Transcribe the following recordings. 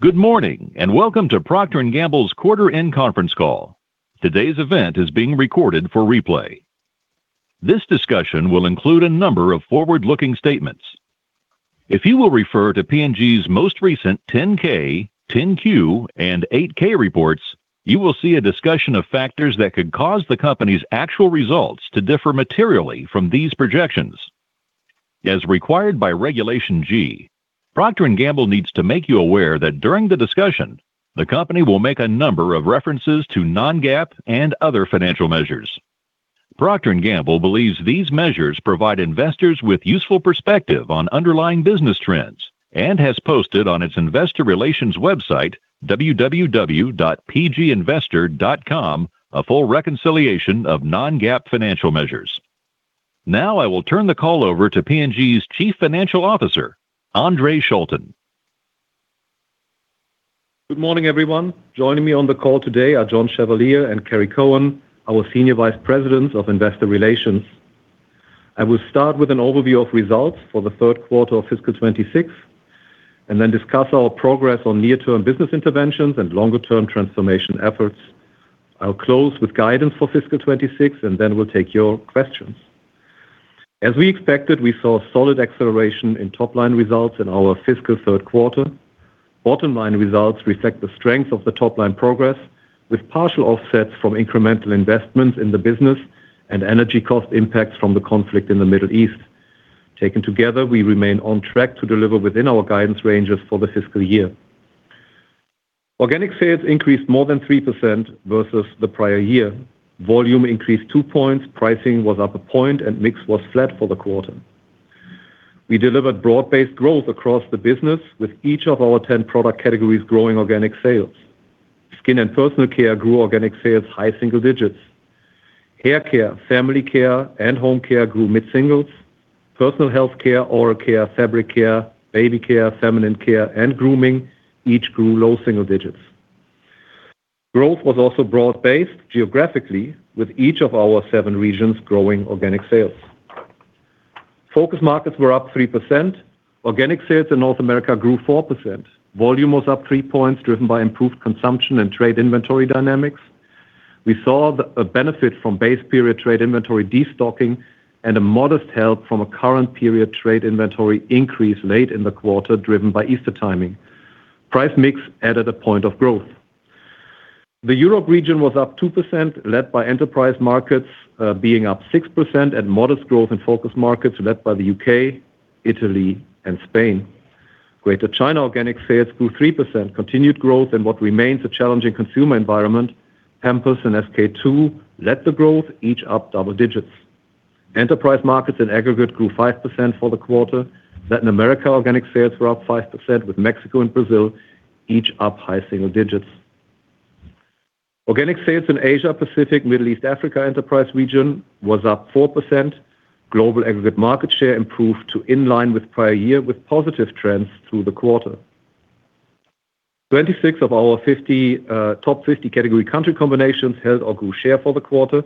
Good morning, and welcome to Procter & Gamble's Quarter Three Conference Call. Today's event is being recorded for replay. This discussion will include a number of forward-looking statements. If you will refer to P&G's most recent 10-K, 10-Q, and 8-K reports, you will see a discussion of factors that could cause the company's actual results to differ materially from these projections. As required by Regulation G, Procter & Gamble needs to make you aware that during the discussion, the company will make a number of references to non-GAAP and other financial measures. Procter & Gamble believes these measures provide investors with useful perspective on underlying business trends and has posted on its investor relations website, www.pginvestor.com, a full reconciliation of non-GAAP financial measures. Now I will turn the call over to P&G's Chief Financial Officer, Andre Schulten. Good morning everyone. Joining me on the call today are John Chevalier and Kerry Cohen, our Senior Vice Presidents of Investor Relations. I will start with an overview of results for the third quarter of fiscal 2026, and then discuss our progress on near-term business interventions and longer-term transformation efforts. I'll close with guidance for fiscal 2026, and then we'll take your questions. As we expected, we saw solid acceleration in top-line results in our fiscal third quarter. Bottom-line results reflect the strength of the top-line progress, with partial offsets from incremental investments in the business and energy cost impacts from the conflict in the Middle East. Taken together, we remain on track to deliver within our guidance ranges for the fiscal year. Organic sales increased more than 3% versus the prior year. Volume increased two points, pricing was up a point, and mix was flat for the quarter. We delivered broad-based growth across the business with each of our 10 product categories growing organic sales. Skin and personal care grew organic sales high single digits. Hair care, Family Care, and Home Care grew mid-singles. Personal Healthcare, Oral Care, Fabric Care, Baby Care, Feminine Care, and grooming each grew low single digits. Growth was also broad-based geographically, with each of our seven regions growing organic sales. Focus markets were up 3%. Organic sales in North America grew 4%. Volume was up three points, driven by improved consumption and trade inventory dynamics. We saw a benefit from base period trade inventory de-stocking and a modest help from a current period trade inventory increase late in the quarter, driven by Easter timing. Price mix added a point of growth. The Europe region was up 2%, led by enterprise markets being up 6% and modest growth in focus markets led by the U.K., Italy, and Spain. Greater China organic sales grew 3%, with continued growth in what remains a challenging consumer environment. Pampers and SK-II led the growth, each up double digits. Enterprise markets in aggregate grew 5% for the quarter. Latin America organic sales were up 5%, with Mexico and Brazil each up high single digits. Organic sales in Asia Pacific, Middle East, and Africa Enterprise region was up 4%. Global aggregate market share improved to in line with prior year, with positive trends through the quarter. 26 of our top 50 category country combinations held or grew share for the quarter.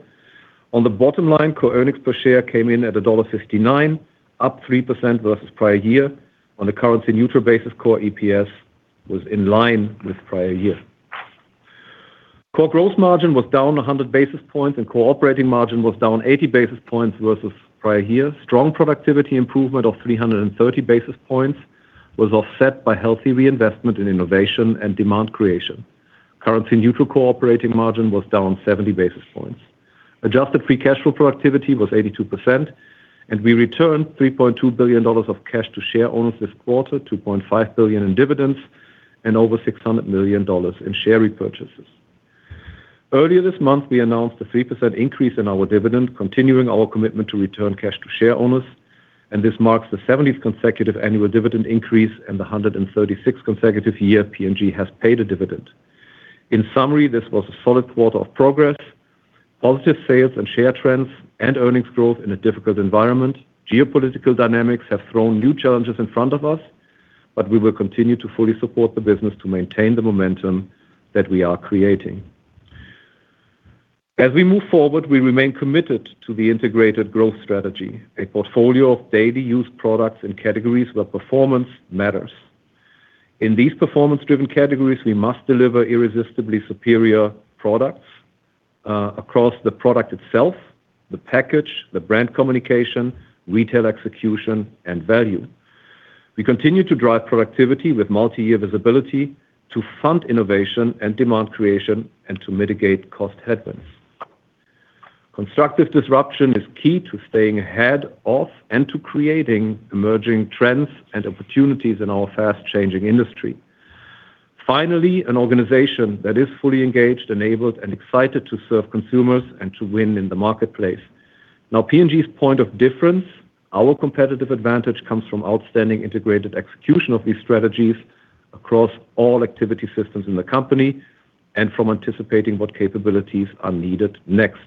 On the bottom line, core earnings per share came in at $1.59, up 3% versus prior year. On a currency-neutral basis, core EPS was in line with prior year. Core growth margin was down 100 basis points, and core operating margin was down 80 basis points versus prior year. Strong productivity improvement of 330 basis points was offset by healthy reinvestment in innovation and demand creation. Currency-neutral core operating margin was down 70 basis points. Adjusted free cash flow productivity was 82%, and we returned $3.2 billion of cash to share owners this quarter, $2.5 billion in dividends, and over $600 million in share repurchases. Earlier this month, we announced a 3% increase in our dividend, continuing our commitment to return cash to share owners, and this marks the 70th consecutive annual dividend increase and the 136th consecutive year P&G has paid a dividend. In summary, this was a solid quarter of progress, positive sales and share trends, and earnings growth in a difficult environment. Geopolitical dynamics have thrown new challenges in front of us, but we will continue to fully support the business to maintain the momentum that we are creating. As we move forward, we remain committed to the integrated growth strategy, a portfolio of daily used products and categories where performance matters. In these performance-driven categories, we must deliver irresistibly superior products across the product itself, the package, the brand communication, retail execution, and value. We continue to drive productivity with multi-year visibility to fund innovation and demand creation and to mitigate cost headwinds. Constructive disruption is key to staying ahead of and to creating emerging trends and opportunities in our fast-changing industry. Finally, an organization that is fully engaged, enabled, and excited to serve consumers and to win in the marketplace. Now, P&G's point of difference, our competitive advantage, comes from outstanding integrated execution of these strategies across all activity systems in the company and from anticipating what capabilities are needed next.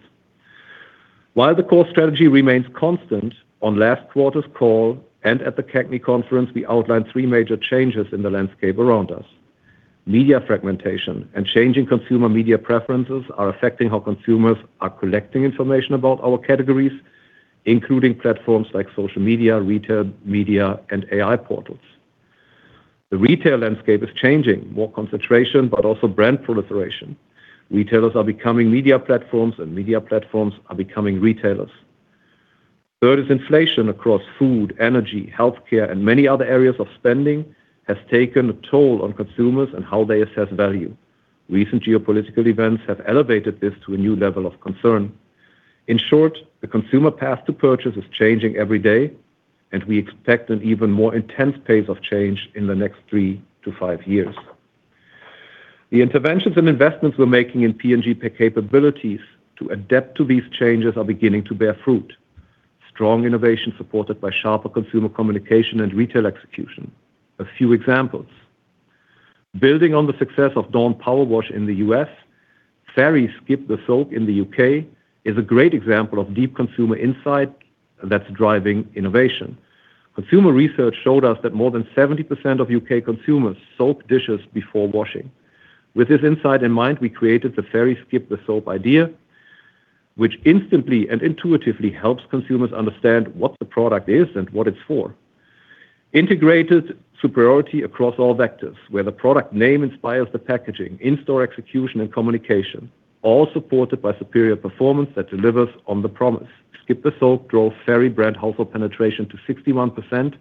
While the core strategy remains constant, on last quarter's call and at the CAGNY conference, we outlined three major changes in the landscape around us. Media fragmentation and changing consumer media preferences are affecting how consumers are collecting information about our categories, including platforms like social media, retail, media, and AI portals. The retail landscape is changing, more concentration but also brand proliferation. Retailers are becoming media platforms, and media platforms are becoming retailers. Third is inflation across food, energy, healthcare, and many other areas of spending has taken a toll on consumers and how they assess value. Recent geopolitical events have elevated this to a new level of concern. In short, the consumer path to purchase is changing every day, and we expect an even more intense pace of change in the next three to five years. The interventions and investments we're making in P&G capabilities to adapt to these changes are beginning to bear fruit. Strong innovation supported by sharper consumer communication and retail execution. A few examples. Building on the success of Dawn Powerwash in the U.S., Fairy Skip the Soak in the U.K. is a great example of deep consumer insight that's driving innovation. Consumer research showed us that more than 70% of U.K. consumers soak dishes before washing. With this insight in mind, we created the Fairy Skip the Soak idea, which instantly and intuitively helps consumers understand what the product is and what it's for. Integrated superiority across all vectors, where the product name inspires the packaging, in-store execution, and communication, all supported by superior performance that delivers on the promise. Skip the Soak drove Fairy brand household penetration to 61%,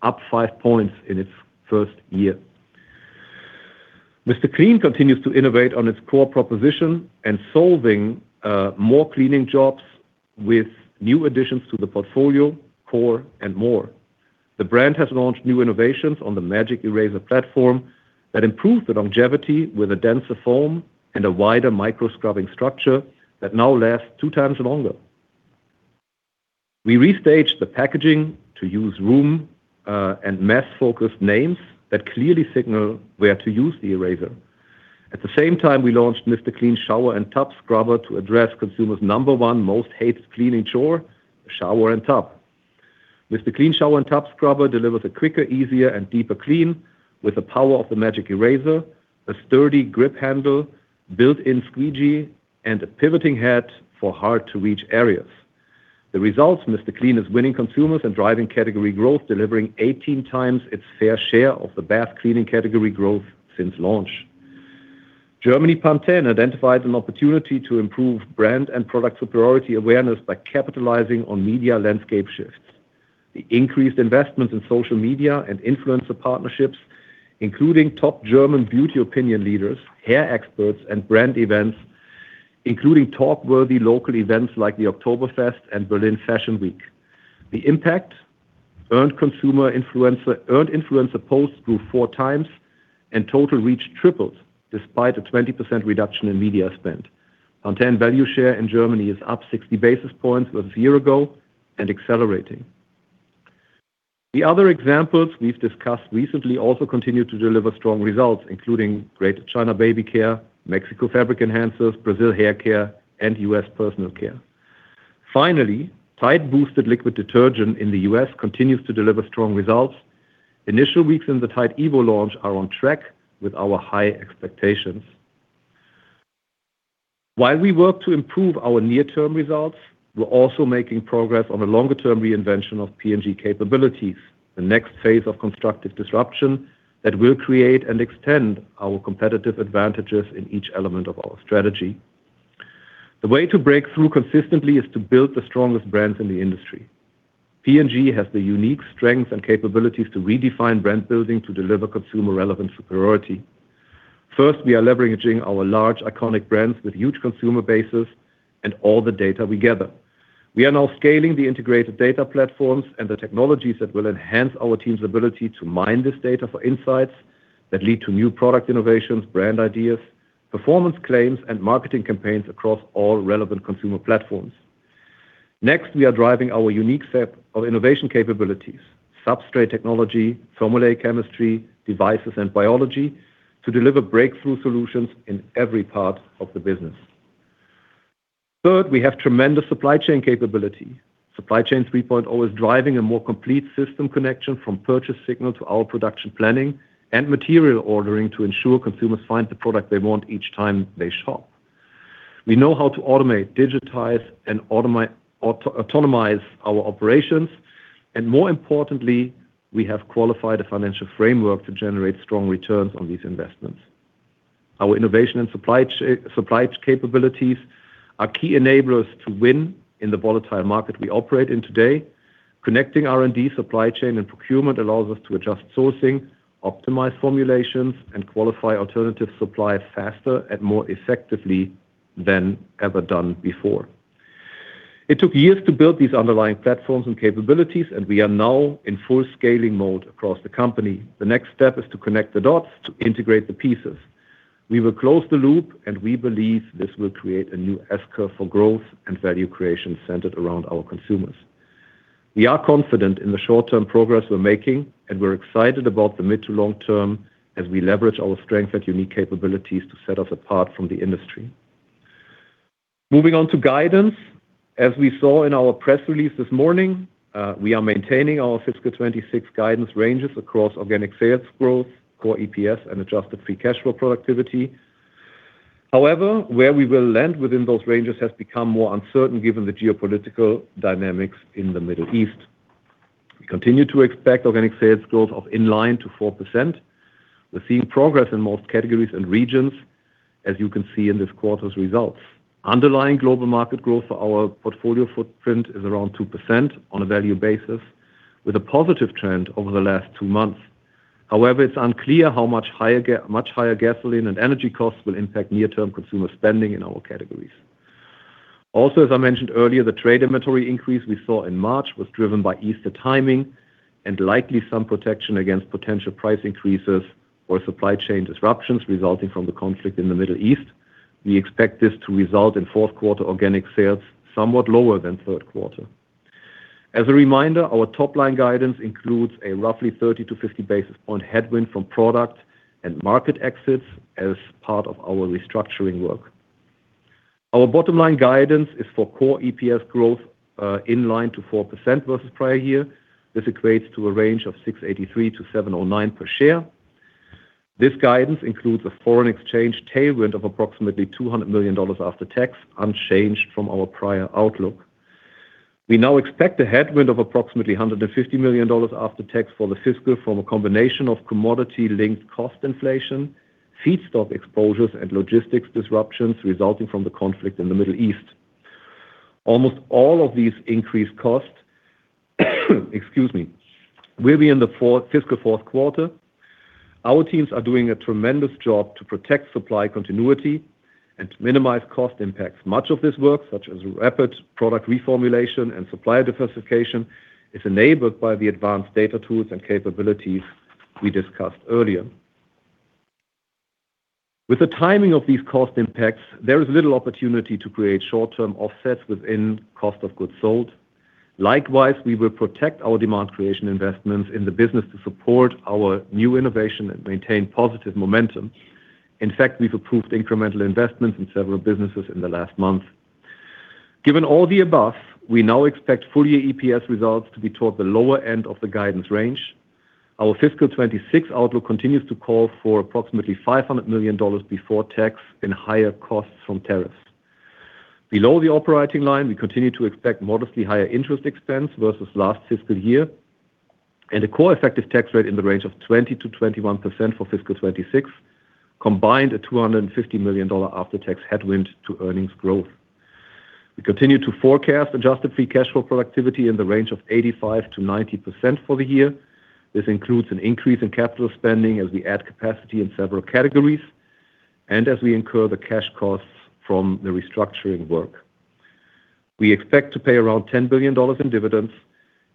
up five points in its first year. Mr. Clean continues to innovate on its core proposition and solving more cleaning jobs with new additions to the portfolio, core, and more. The brand has launched new innovations on the Magic Eraser platform that improve the longevity with a denser foam and a wider micro-scrubbing structure that now lasts two times longer. We restaged the packaging to use room- and mess-focused names that clearly signal where to use the eraser. At the same time, we launched Mr. Clean Shower and Tub Scrubber to address consumers' number one most hated cleaning chore, shower and tub. Mr. Clean Shower and Tub Scrubber delivers a quicker, easier, and deeper clean with the power of the Magic Eraser, a sturdy grip handle, built-in squeegee, and a pivoting head for hard-to-reach areas. The results. Mr. Clean is winning consumers and driving category growth, delivering 18x its fair share of the bath cleaning category growth since launch. In Germany, Pantene identifies an opportunity to improve brand and product superiority awareness by capitalizing on media landscape shifts. The increased investments in social media and influencer partnerships, including top German beauty opinion leaders, hair experts, and brand events, including talk-worthy local events like the Oktoberfest and Berlin Fashion Week. The impact. Earned influencer posts grew 4x, and total reach tripled despite a 20% reduction in media spend. Pantene value share in Germany is up 60 basis points with a year ago and accelerating. The other examples we've discussed recently also continue to deliver strong results, including Greater China Baby Care, Mexico Fabric Enhancers, Brazil Hair Care, and U.S. Personal Care. Finally, Tide Boosted liquid detergent in the U.S. continues to deliver strong results. Initial weeks in the Tide evo launch are on track with our high expectations. While we work to improve our near-term results, we're also making progress on the longer-term reinvention of P&G capabilities, the next phase of constructive disruption that will create and extend our competitive advantages in each element of our strategy. The way to break through consistently is to build the strongest brands in the industry. P&G has the unique strengths and capabilities to redefine brand building to deliver consumer relevant superiority. First, we are leveraging our large iconic brands with huge consumer bases and all the data we gather. We are now scaling the integrated data platforms and the technologies that will enhance our team's ability to mine this data for insights that lead to new product innovations, brand ideas, performance claims, and marketing campaigns across all relevant consumer platforms. Next, we are driving our unique set of innovation capabilities, substrate technology, formulate chemistry, devices, and biology to deliver breakthrough solutions in every part of the business. Third, we have tremendous supply chain capability. Supply Chain 3.0 is driving a more complete system connection from purchase signal to our production planning and material ordering to ensure consumers find the product they want each time they shop. We know how to automate, digitize, and autonomize our operations, and more importantly, we have qualified a financial framework to generate strong returns on these investments. Our innovation and supply capabilities are key enablers to win in the volatile market we operate in today. Connecting R&D supply chain and procurement allows us to adjust sourcing, optimize formulations, and qualify alternative suppliers faster and more effectively than ever done before. It took years to build these underlying platforms and capabilities, and we are now in full scaling mode across the company. The next step is to connect the dots to integrate the pieces. We will close the loop, and we believe this will create a new S-curve for growth and value creation centered around our consumers. We are confident in the short-term progress we're making, and we're excited about the mid to long term as we leverage our strength and unique capabilities to set us apart from the industry. Moving on to guidance. As we saw in our press release this morning, we are maintaining our fiscal 2026 guidance ranges across organic sales growth, core EPS, and adjusted free cash flow productivity. However, where we will land within those ranges has become more uncertain given the geopolitical dynamics in the Middle East. We continue to expect organic sales growth of in line to 4%. We're seeing progress in most categories and regions, as you can see in this quarter's results. Underlying global market growth for our portfolio footprint is around 2% on a value basis, with a positive trend over the last two months. However, it's unclear how much higher gasoline and energy costs will impact near-term consumer spending in our categories. As I mentioned earlier, the trade inventory increase we saw in March was driven by Easter timing and likely some protection against potential price increases or supply chain disruptions resulting from the conflict in the Middle East. We expect this to result in fourth quarter organic sales somewhat lower than third quarter. As a reminder, our top-line guidance includes a roughly 30-50 basis point headwind from product and market exits as part of our restructuring work. Our bottom-line guidance is for core EPS growth in line to 4% versus prior year. This equates to a range of $6.83-$7.09 per share. This guidance includes a foreign exchange tailwind of approximately $200 million after tax, unchanged from our prior outlook. We now expect a headwind of approximately $150 million after tax for the fiscal year from a combination of commodity-linked cost inflation, feedstock exposures, and logistics disruptions resulting from the conflict in the Middle East. Almost all of these increased costs will be in the fiscal fourth quarter. Our teams are doing a tremendous job to protect supply continuity and to minimize cost impacts. Much of this work, such as rapid product reformulation and supplier diversification, is enabled by the advanced data tools and capabilities we discussed earlier. With the timing of these cost impacts, there is little opportunity to create short-term offsets within cost of goods sold. Likewise, we will protect our demand creation investments in the business to support our new innovation and maintain positive momentum. In fact, we've approved incremental investments in several businesses in the last month. Given all the above, we now expect full-year EPS results to be toward the lower end of the guidance range. Our fiscal 2026 outlook continues to call for approximately $500 million before tax in higher costs from tariffs. Below the operating line, we continue to expect modestly higher interest expense versus last fiscal year and a core effective tax rate in the range of 20%-21% for fiscal 2026, combined a $250 million after-tax headwind to earnings growth. We continue to forecast adjusted free cash flow productivity in the range of 85%-90% for the year. This includes an increase in capital spending as we add capacity in several categories and as we incur the cash costs from the restructuring work. We expect to pay around $10 billion in dividends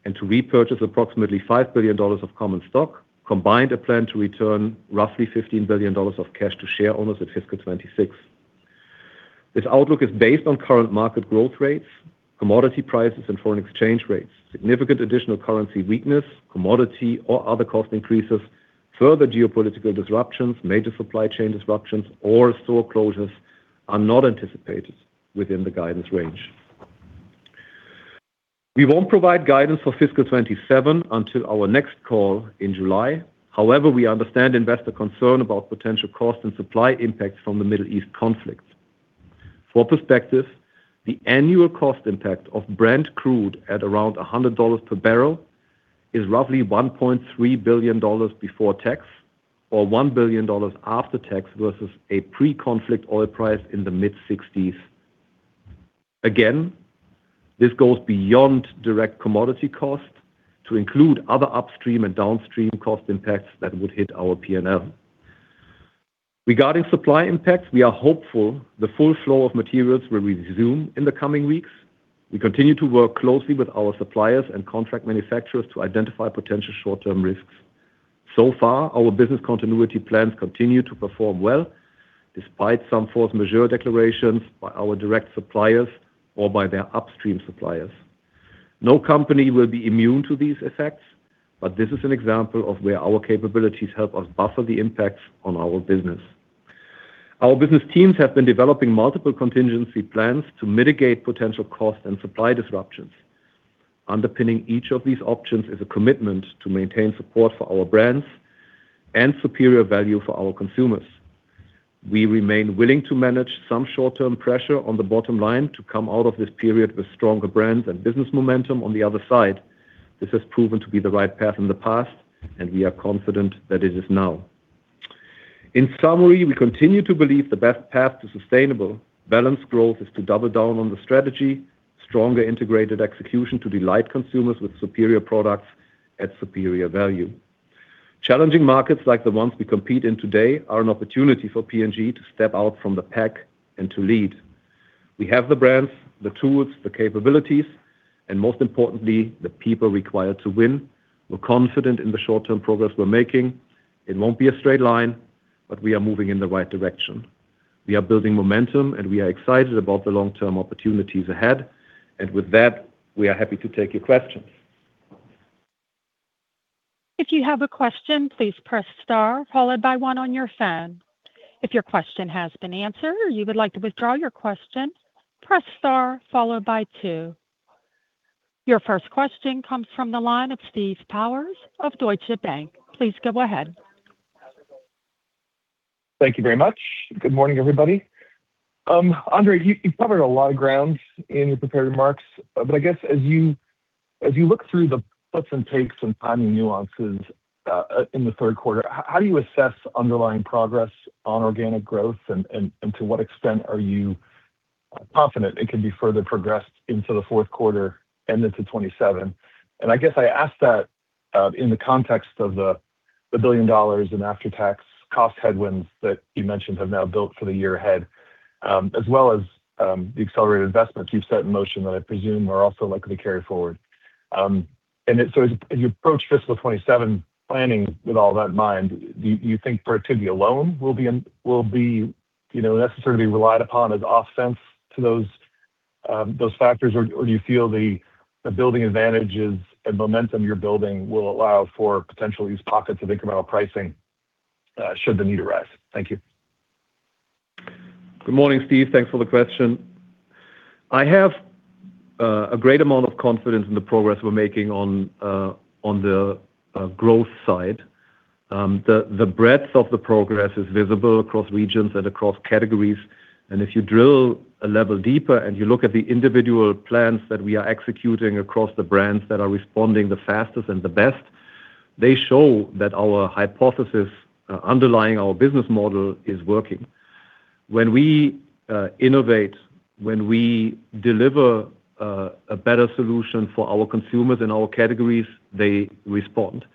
and to repurchase approximately $5 billion of common stock, combined, a plan to return roughly $15 billion of cash to share owners at fiscal 2026. This outlook is based on current market growth rates, commodity prices, and foreign exchange rates. Significant additional currency weakness, commodity or other cost increases, further geopolitical disruptions, major supply chain disruptions, or store closures are not anticipated within the guidance range. We won't provide guidance for fiscal 2027 until our next call in July. However, we understand investor concern about potential cost and supply impacts from the Middle East conflict. For perspective, the annual cost impact of Brent crude at around $100 per barrel is roughly $1.3 billion before tax, or $1 billion after tax versus a pre-conflict oil price in the mid-60s. Again, this goes beyond direct commodity costs to include other upstream and downstream cost impacts that would hit our P&L. Regarding supply impacts, we are hopeful the full flow of materials will resume in the coming weeks. We continue to work closely with our suppliers and contract manufacturers to identify potential short-term risks. So far, our business continuity plans continue to perform well, despite some force majeure declarations by our direct suppliers or by their upstream suppliers. No company will be immune to these effects, but this is an example of where our capabilities help us buffer the impacts on our business. Our business teams have been developing multiple contingency plans to mitigate potential cost and supply disruptions. Underpinning each of these options is a commitment to maintain support for our brands and superior value for our consumers. We remain willing to manage some short-term pressure on the bottom line to come out of this period with stronger brands and business momentum on the other side. This has proven to be the right path in the past, and we are confident that it is now. In summary, we continue to believe the best path to sustainable, balanced growth is to double down on the strategy, stronger integrated execution to delight consumers with superior products at superior value. Challenging markets like the ones we compete in today are an opportunity for P&G to step out from the pack and to lead. We have the brands, the tools, the capabilities, and most importantly, the people required to win. We're confident in the short-term progress we're making. It won't be a straight line, but we are moving in the right direction. We are building momentum, and we are excited about the long-term opportunities ahead. With that, we are happy to take your questions. Your first question comes from the line of Steve Powers of Deutsche Bank. Please go ahead. Thank you very much. Good morning everybody. Andre, you've covered a lot of ground in your prepared remarks, but I guess as you look through the puts and takes and timing nuances in the third quarter, how do you assess underlying progress on organic growth and to what extent are you confident it can be further progressed into the fourth quarter and into 2027? I guess I ask that in the context of the $1 billion in after-tax cost headwinds that you mentioned have now built for the year ahead, as well as the accelerated investments you've set in motion that I presume are also likely to carry forward. As you approach fiscal 2027 planning with all that in mind, do you think productivity alone will necessarily be relied upon as offense to those factors or do you feel the building advantages and momentum you're building will allow for potential use pockets of incremental pricing should the need arise? Thank you. Good morning, Steve. Thanks for the question. I have a great amount of confidence in the progress we're making on the growth side. The breadth of the progress is visible across regions and across categories, and if you drill a level deeper and you look at the individual plans that we are executing across the brands that are responding the fastest and the best, they show that our hypothesis underlying our business model is working. When we innovate, when we deliver a better solution for our consumers in all categories, they respond.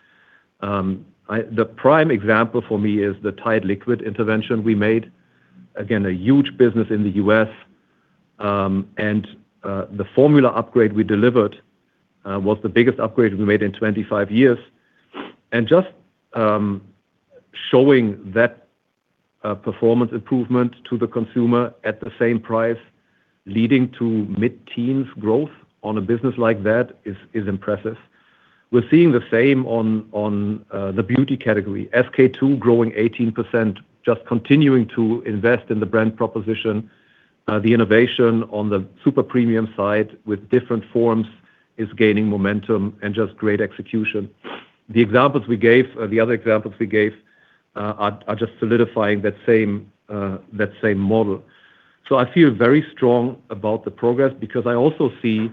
The prime example for me is the Tide liquid intervention we made. Again, a huge business in the U.S., and the formula upgrade we delivered was the biggest upgrade we made in 25 years. Just showing that performance improvement to the consumer at the same price leading to mid-teens growth on a business like that is impressive. We're seeing the same on the beauty category, SK-II growing 18%, just continuing to invest in the brand proposition. The innovation on the super premium side with different forms is gaining momentum and just great execution. The other examples we gave are just solidifying that same model. I feel very strong about the progress because I also see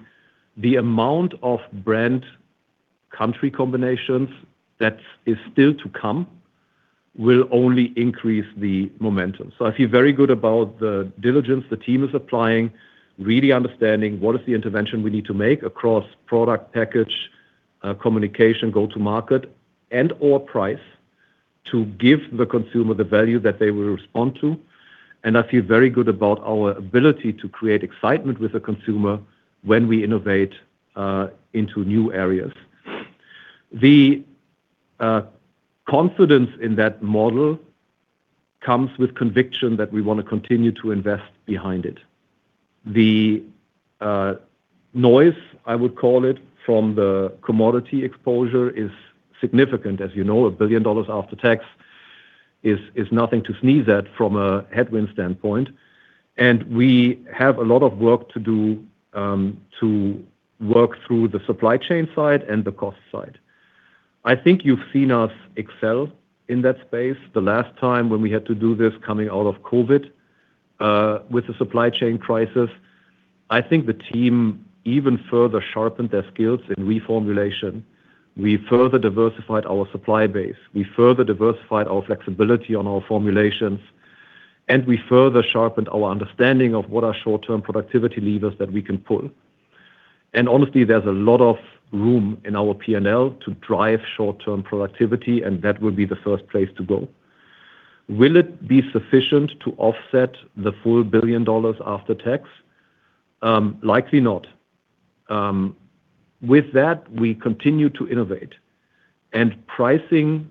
the amount of brand country combinations that is still to come will only increase the momentum. I feel very good about the diligence the team is applying, really understanding what is the intervention we need to make across product, package, communication, go to market and/or price to give the consumer the value that they will respond to. I feel very good about our ability to create excitement with the consumer when we innovate into new areas. The confidence in that model comes with conviction that we want to continue to invest behind it. The noise, I would call it, from the commodity exposure is significant. As you know, $1 billion after tax is nothing to sneeze at from a headwind standpoint. We have a lot of work to do to work through the supply chain side and the cost side. I think you've seen us excel in that space. The last time when we had to do this coming out of COVID, with the supply chain crisis, I think the team even further sharpened their skills in reformulation. We further diversified our supply base, we further diversified our flexibility on our formulations, and we further sharpened our understanding of what are short-term productivity levers that we can pull. Honestly, there's a lot of room in our P&L to drive short-term productivity, and that would be the first place to go. Will it be sufficient to offset the full $1 billion after tax? Likely not. With that, we continue to innovate and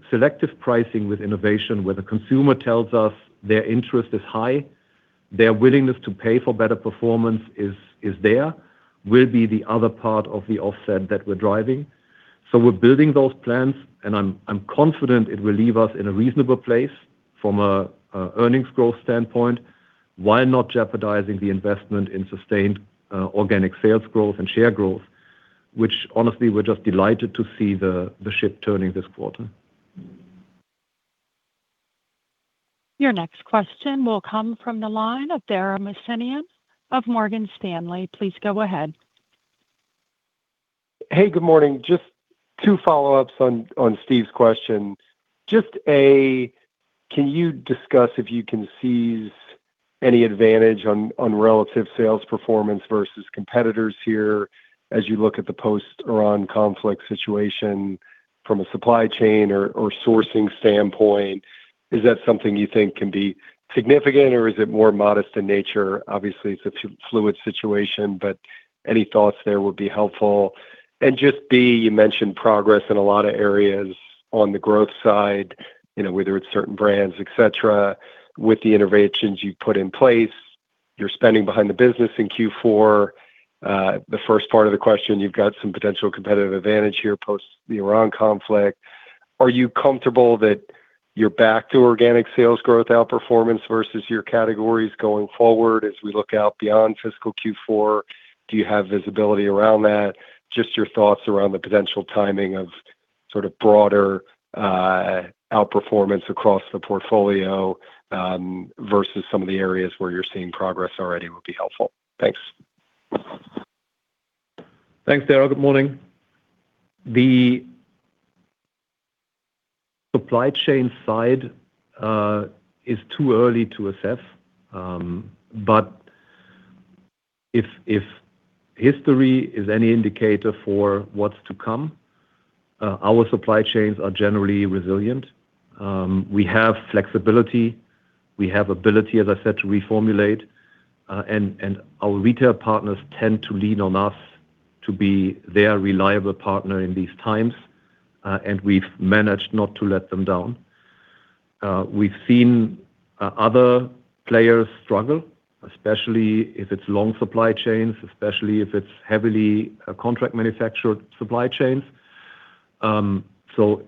selective pricing with innovation, where the consumer tells us their interest is high, their willingness to pay for better performance is there, will be the other part of the offset that we're driving. We're building those plans, and I'm confident it will leave us in a reasonable place from an earnings growth standpoint, while not jeopardizing the investment in sustained organic sales growth and share growth, which honestly, we're just delighted to see the ship turning this quarter. Your next question will come from the line of Dara Mohsenian of Morgan Stanley. Please go ahead. Hey good morning. Just two follow-ups on Steve's question. Just A, can you discuss if you can seize any advantage on relative sales performance versus competitors here as you look at the post Iran conflict situation from a supply chain or sourcing standpoint? Is that something you think can be significant or is it more modest in nature? Obviously, it's a fluid situation, but any thoughts there would be helpful. Just B, you mentioned progress in a lot of areas on the growth side, whether it's certain brands, et cetera, with the innovations you've put in place, you're spending behind the business in Q4. The first part of the question, you've got some potential competitive advantage here post the Iran conflict. Are you comfortable that you're back to organic sales growth outperformance versus your categories going forward as we look out beyond fiscal Q4? Do you have visibility around that? Just your thoughts around the potential timing of sort of broader outperformance across the portfolio, versus some of the areas where you're seeing progress already would be helpful. Thanks. Thanks, Dara. Good morning. The supply chain side is too early to assess. If history is any indicator for what's to come, our supply chains are generally resilient. We have flexibility, we have ability, as I said, to reformulate, and our retail partners tend to lean on us to be their reliable partner in these times, and we've managed not to let them down. We've seen other players struggle, especially if it's long supply chains, especially if it's heavily contract manufactured supply chains.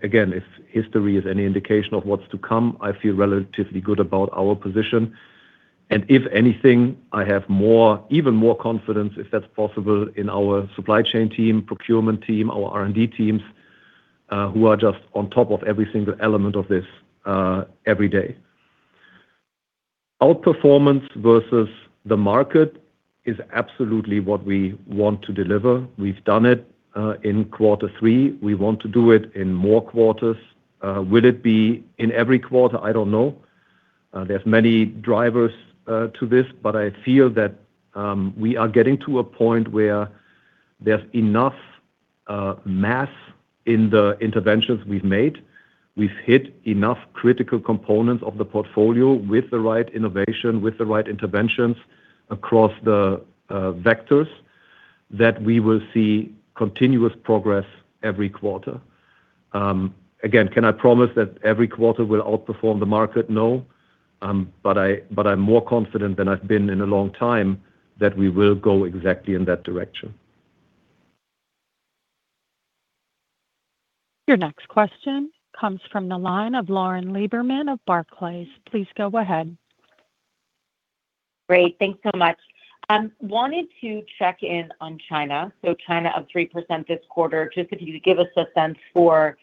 Again, if history is any indication of what's to come, I feel relatively good about our position. If anything, I have even more confidence, if that's possible, in our supply chain team, procurement team, our R&D teams, who are just on top of every single element of this every day. Outperformance versus the market is absolutely what we want to deliver. We've done it in quarter three. We want to do it in more quarters. Will it be in every quarter? I don't know. There's many drivers to this, but I feel that we are getting to a point where there's enough mass in the interventions we've made. We've hit enough critical components of the portfolio with the right innovation, with the right interventions across the vectors that we will see continuous progress every quarter. Again, can I promise that every quarter will outperform the market? No. I'm more confident than I've been in a long time that we will go exactly in that direction. Your next question comes from the line of Lauren Lieberman of Barclays. Please go ahead. Great. Thanks so much. I wanted to check in on China. China up 3% this quarter, just if you could give us a sense for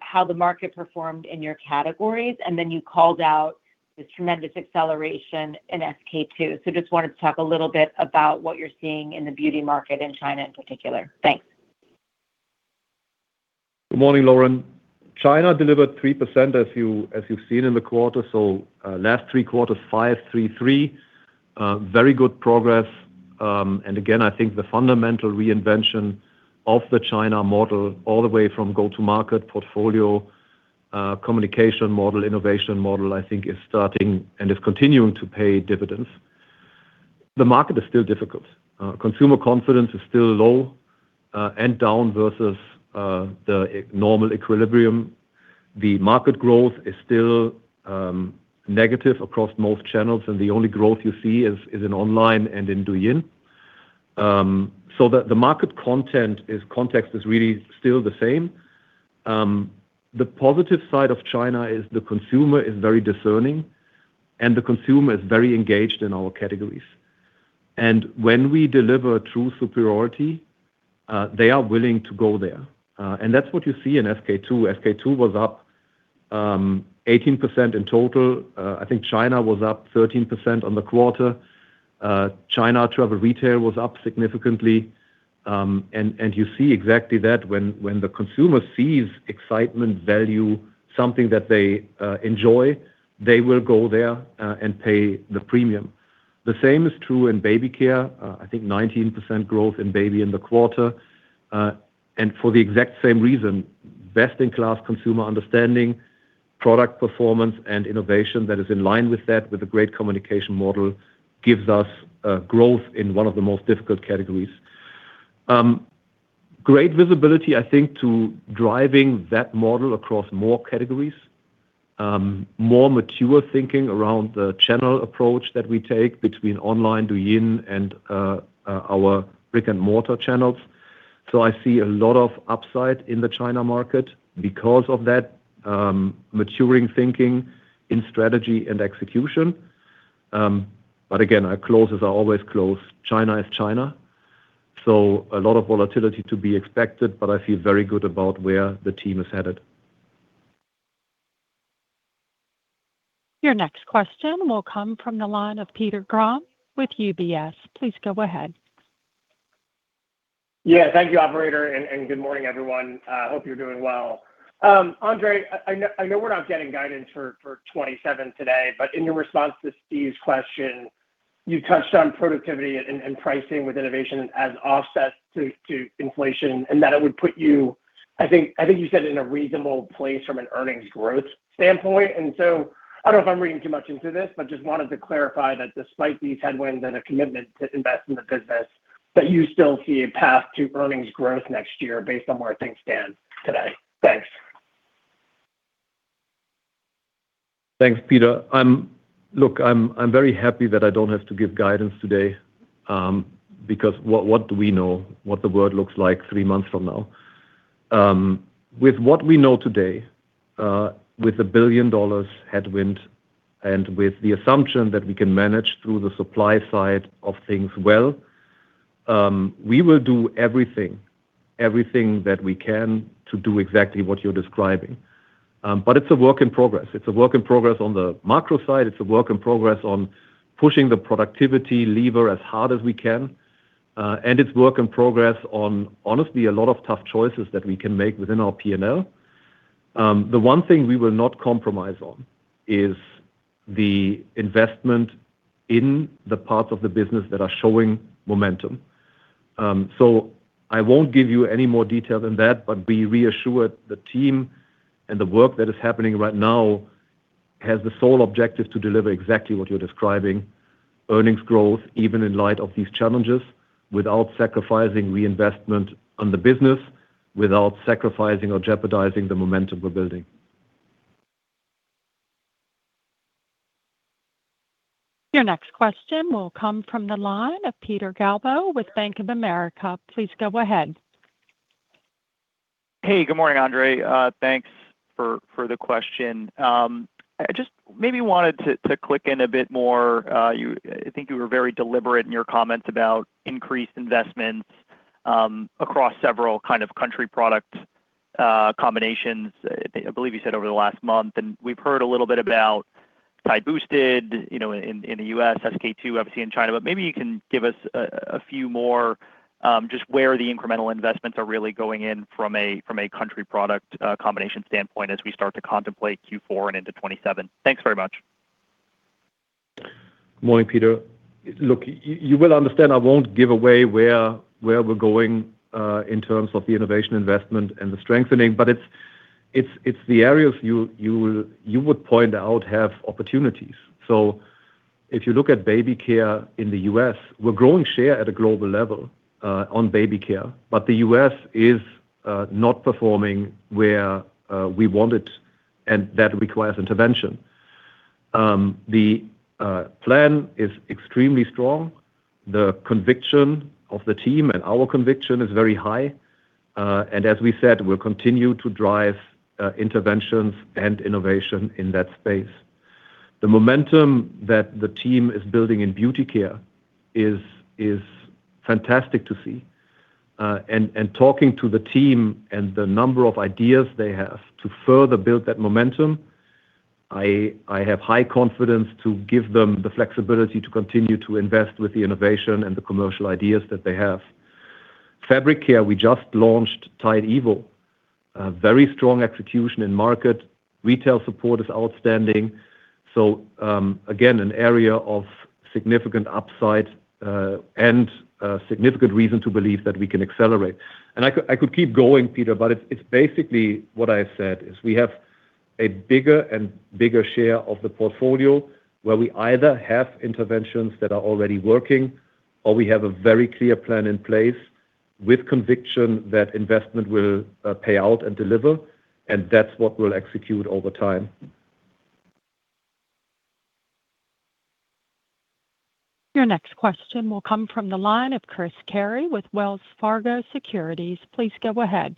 how the market performed in your categories, and then you called out the tremendous acceleration in SK-II. I just wanted to talk a little bit about what you're seeing in the beauty market in China in particular. Thanks. Good morning, Lauren. China delivered 3% as you've seen in the quarter, so last three quarters, five, three. Very good progress. Again, I think the fundamental reinvention of the China model all the way from go-to-market portfolio, communication model, innovation model, I think is starting and is continuing to pay dividends. The market is still difficult. Consumer confidence is still low, and down versus the normal equilibrium. The market growth is still negative across most channels, and the only growth you see is in online and in Douyin. The market context is really still the same. The positive side of China is the consumer is very discerning, and the consumer is very engaged in our categories. When we deliver true superiority, they are willing to go there. That's what you see in SK-II. SK-II was up 18% in total. I think China was up 13% on the quarter. China travel retail was up significantly. You see exactly that when the consumer sees excitement, value, something that they enjoy, they will go there, and pay the premium. The same is true in Baby Care. I think 19% growth in baby in the quarter. For the exact same reason, best-in-class consumer understanding, product performance, and innovation that is in line with that, with a great communication model gives us growth in one of the most difficult categories. Great visibility, I think, to driving that model across more categories. More mature thinking around the channel approach that we take between online, Douyin, and our brick and mortar channels. I see a lot of upside in the China market because of that maturing thinking in strategy and execution. Again, I close as I always close. China is China. A lot of volatility to be expected, but I feel very good about where the team is headed. Your next question will come from the line of Peter Grom with UBS. Please go ahead. Yeah. Thank you operator and good morning everyone. Hope you're doing well. Andre Schulten, I know we're not getting guidance for 2027 today, but in your response to Steve Powers's question, you touched on productivity and pricing with innovation as offsets to inflation and that it would put you, I think you said it, in a reasonable place from an earnings growth standpoint. I don't know if I'm reading too much into this, but just wanted to clarify that despite these headwinds and a commitment to invest in the business, that you still see a path to earnings growth next year based on where things stand today. Thanks. Thanks, Peter. Look, I'm very happy that I don't have to give guidance today, because what do we know what the world looks like three months from now? With what we know today, with a $1 billion headwind and with the assumption that we can manage through the supply side of things well, we will do everything that we can to do exactly what you're describing. It's a work in progress. It's a work in progress on the macro side, it's a work in progress on pushing the productivity lever as hard as we can, and it's work in progress on, honestly, a lot of tough choices that we can make within our P&L. The one thing we will not compromise on is the investment in the parts of the business that are showing momentum. I won't give you any more detail than that, but be reassured the team and the work that is happening right now has the sole objective to deliver exactly what you're describing, earnings growth, even in light of these challenges, without sacrificing reinvestment on the business, without sacrificing or jeopardizing the momentum we're building. Your next question will come from the line of Peter Galbo with Bank of America. Please go ahead. Hey, good morning Andre. Thanks for the question. I just maybe wanted to click in a bit more. I think you were very deliberate in your comments about increased investments across several kind of country product combinations, I believe you said over the last month. We've heard a little bit about Tide Boosted in the U.S., SK-II, obviously in China. Maybe you can give us a few more just where the incremental investments are really going in from a country product combination standpoint as we start to contemplate Q4 and into 2027. Thanks very much. Morning, Peter. Look, you will understand I won't give away where we're going in terms of the innovation investment and the strengthening, but it's the areas you would point out have opportunities. If you look at Baby Care in the U.S., we're growing share at a global level on Baby Care, but the U.S. is not performing where we want it, and that requires intervention. The plan is extremely strong. The conviction of the team and our conviction is very high. As we said, we'll continue to drive interventions and innovation in that space. The momentum that the team is building in Beauty Care is fantastic to see. Talking to the team and the number of ideas they have to further build that momentum, I have high confidence to give them the flexibility to continue to invest with the innovation and the commercial ideas that they have. Fabric Care, we just launched Tide evo. Very strong execution in market. Retail support is outstanding. So again, an area of significant upside and a significant reason to believe that we can accelerate. I could keep going, Peter, but it's basically what I've said is we have a bigger and bigger share of the portfolio where we either have interventions that are already working or we have a very clear plan in place with conviction that investment will pay out and deliver, and that's what we'll execute over time. Your next question will come from the line of Chris Carey with Wells Fargo Securities. Please go ahead.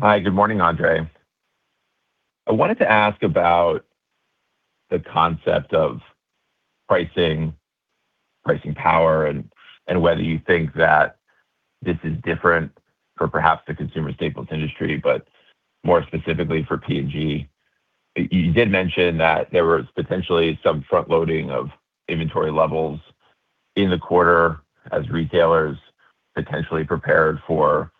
Hi, good morning Andre. I wanted to ask about the concept of pricing power and whether you think that this is different for perhaps the consumer staples industry, but more specifically for P&G. You did mention that there was potentially some front-loading of inventory levels in the quarter as retailers potentially prepared for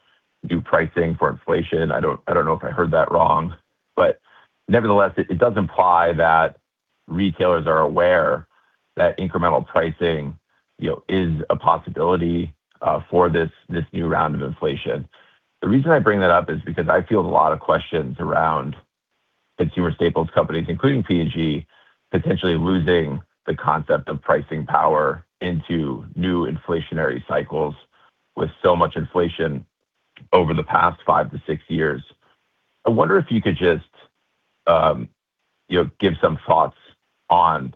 new pricing for inflation. I don't know if I heard that wrong. Nevertheless, it does imply that retailers are aware that incremental pricing is a possibility for this new round of inflation. The reason I bring that up is because I field a lot of questions around consumer staples companies, including P&G, potentially losing the concept of pricing power into new inflationary cycles with so much inflation over the past five to six years. I wonder if you could just give some thoughts on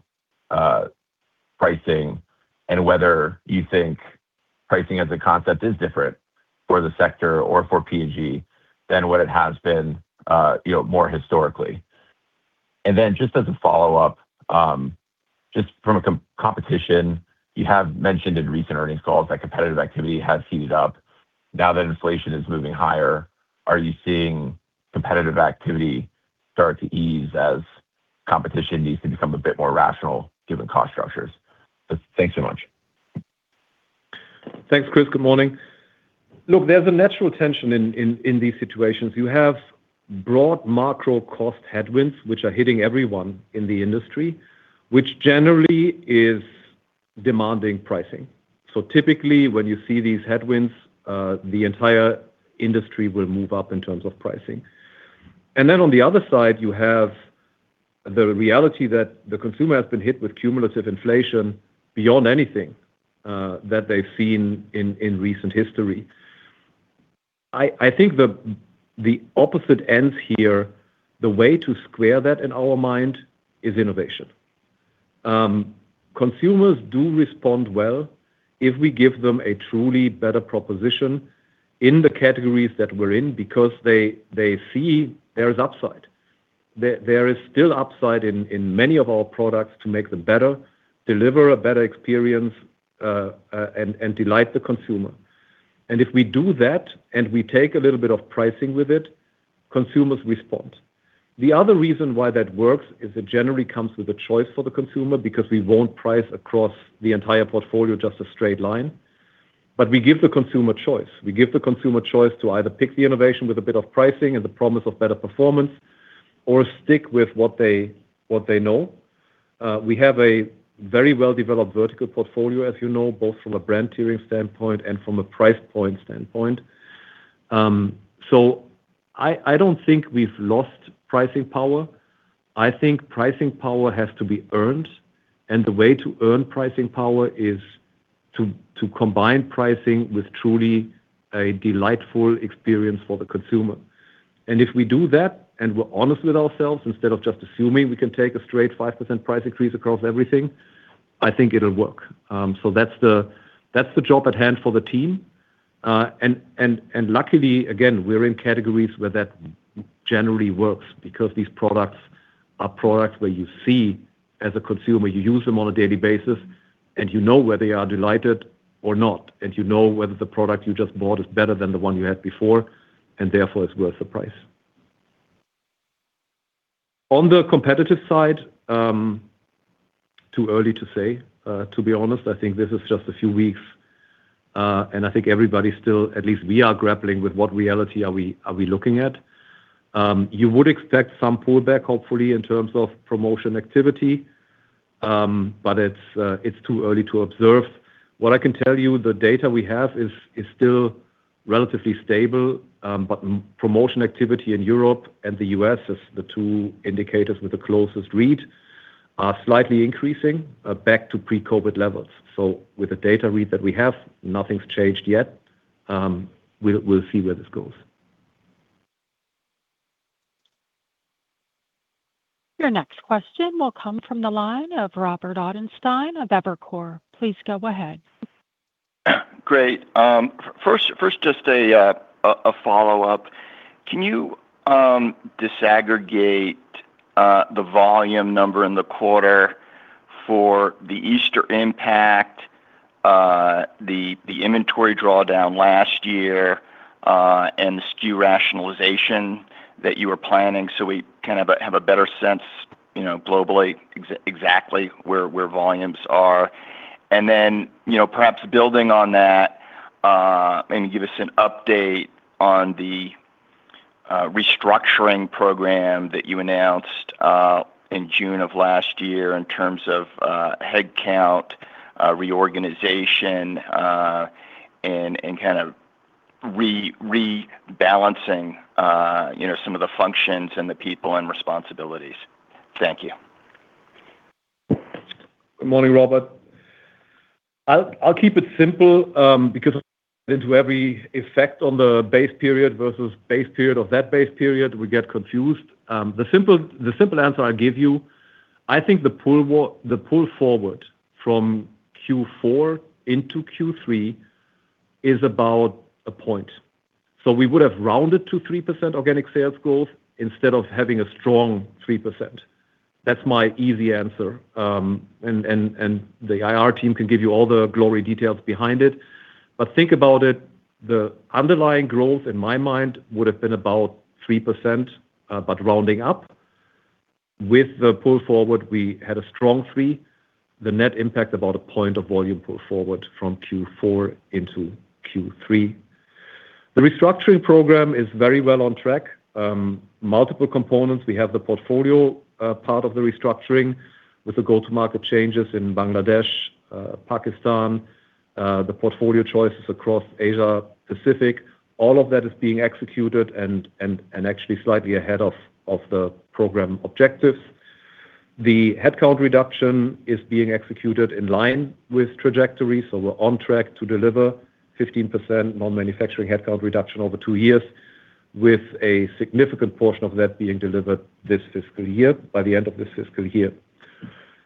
pricing and whether you think pricing as a concept is different for the sector or for P&G than what it has been more historically. Just as a follow-up, just from the competition, you have mentioned in recent earnings calls that competitive activity has heated up. Now that inflation is moving higher, are you seeing competitive activity start to ease as competition needs to become a bit more rational given cost structures? Thanks so much. Thanks, Chris. Good morning. Look, there's a natural tension in these situations. You have broad macro cost headwinds, which are hitting everyone in the industry, which generally is demanding pricing. Typically, when you see these headwinds, the entire industry will move up in terms of pricing. On the other side, you have the reality that the consumer has been hit with cumulative inflation beyond anything that they've seen in recent history. I think the opposite ends here, the way to square that in our mind is innovation. Consumers do respond well if we give them a truly better proposition in the categories that we're in because they see there is upside. There is still upside in many of our products to make them better, deliver a better experience, and delight the consumer. If we do that, and we take a little bit of pricing with it, consumers respond. The other reason why that works is it generally comes with a choice for the consumer because we won't price across the entire portfolio, just a straight line. We give the consumer choice. We give the consumer choice to either pick the innovation with a bit of pricing and the promise of better performance or stick with what they know. We have a very well-developed vertical portfolio, as you know, both from a brand tiering standpoint and from a price point standpoint. I don't think we've lost pricing power. I think pricing power has to be earned, and the way to earn pricing power is to combine pricing with truly a delightful experience for the consumer. If we do that and we're honest with ourselves, instead of just assuming we can take a straight 5% price increase across everything, I think it'll work. That's the job at hand for the team. Luckily, again, we're in categories where that generally works because these products are products where you see as a consumer, you use them on a daily basis, and you know whether you are delighted or not. You know whether the product you just bought is better than the one you had before, and therefore it's worth the price. On the competitive side, it's too early to say. To be honest, I think this is just a few weeks, and I think everybody's still, at least we are grappling with what reality are we looking at. You would expect some pullback, hopefully, in terms of promotion activity, but it's too early to observe. What I can tell you, the data we have is still relatively stable, but promotion activity in Europe and the U.S. as the two indicators with the closest read are slightly increasing back to pre-COVID levels. With the data read that we have, nothing's changed yet. We'll see where this goes. Your next question will come from the line of Robert Ottenstein of Evercore. Please go ahead. Great. First, just a follow-up. Can you disaggregate the volume number in the quarter for the Easter impact, the inventory drawdown last year, and the SKU rationalization that you were planning so we can have a better sense globally exactly where volumes are? Then, perhaps building on that, maybe give us an update on the restructuring program that you announced in June of last year in terms of headcount, reorganization, and rebalancing some of the functions and the people and responsibilities. Thank you. Good morning, Robert. I'll keep it simple, because the net effect on the base period versus base period of that base period, we get confused. The simple answer I give you, I think the pull forward from Q4 into Q3 is about a point. We would have rounded to 3% organic sales growth instead of having a strong 3%. That's my easy answer. The IR team can give you all the gory details behind it. Think about it, the underlying growth in my mind would have been about 3%, but rounding up. With the pull forward, we had a strong 3%, the net impact about a point of volume pull forward from Q4 into Q3. The restructuring program is very well on track. Multiple components. We have the portfolio part of the restructuring with the go-to-market changes in Bangladesh, Pakistan, the portfolio choices across Asia Pacific. All of that is being executed and actually slightly ahead of the program objectives. The headcount reduction is being executed in line with trajectory, so we're on track to deliver 15% non-manufacturing headcount reduction over two years, with a significant portion of that being delivered this fiscal year, by the end of this fiscal year.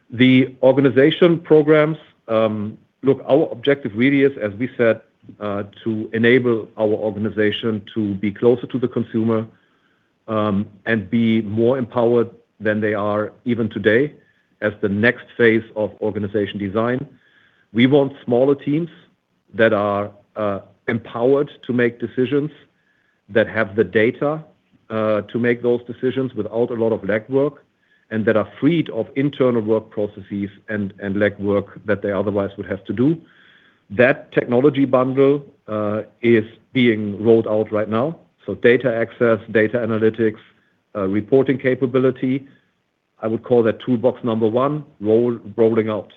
The organization programs, look, our objective really is, as we said, to enable our organization to be closer to the consumer, and be more empowered than they are even today as the next phase of organization design. We want smaller teams that are empowered to make decisions, that have the data to make those decisions without a lot of legwork, and that are freed of internal work processes and legwork that they otherwise would have to do. That technology bundle is being rolled out right now. Data access, data analytics, reporting capability, I would call that toolbox number one, rolling out.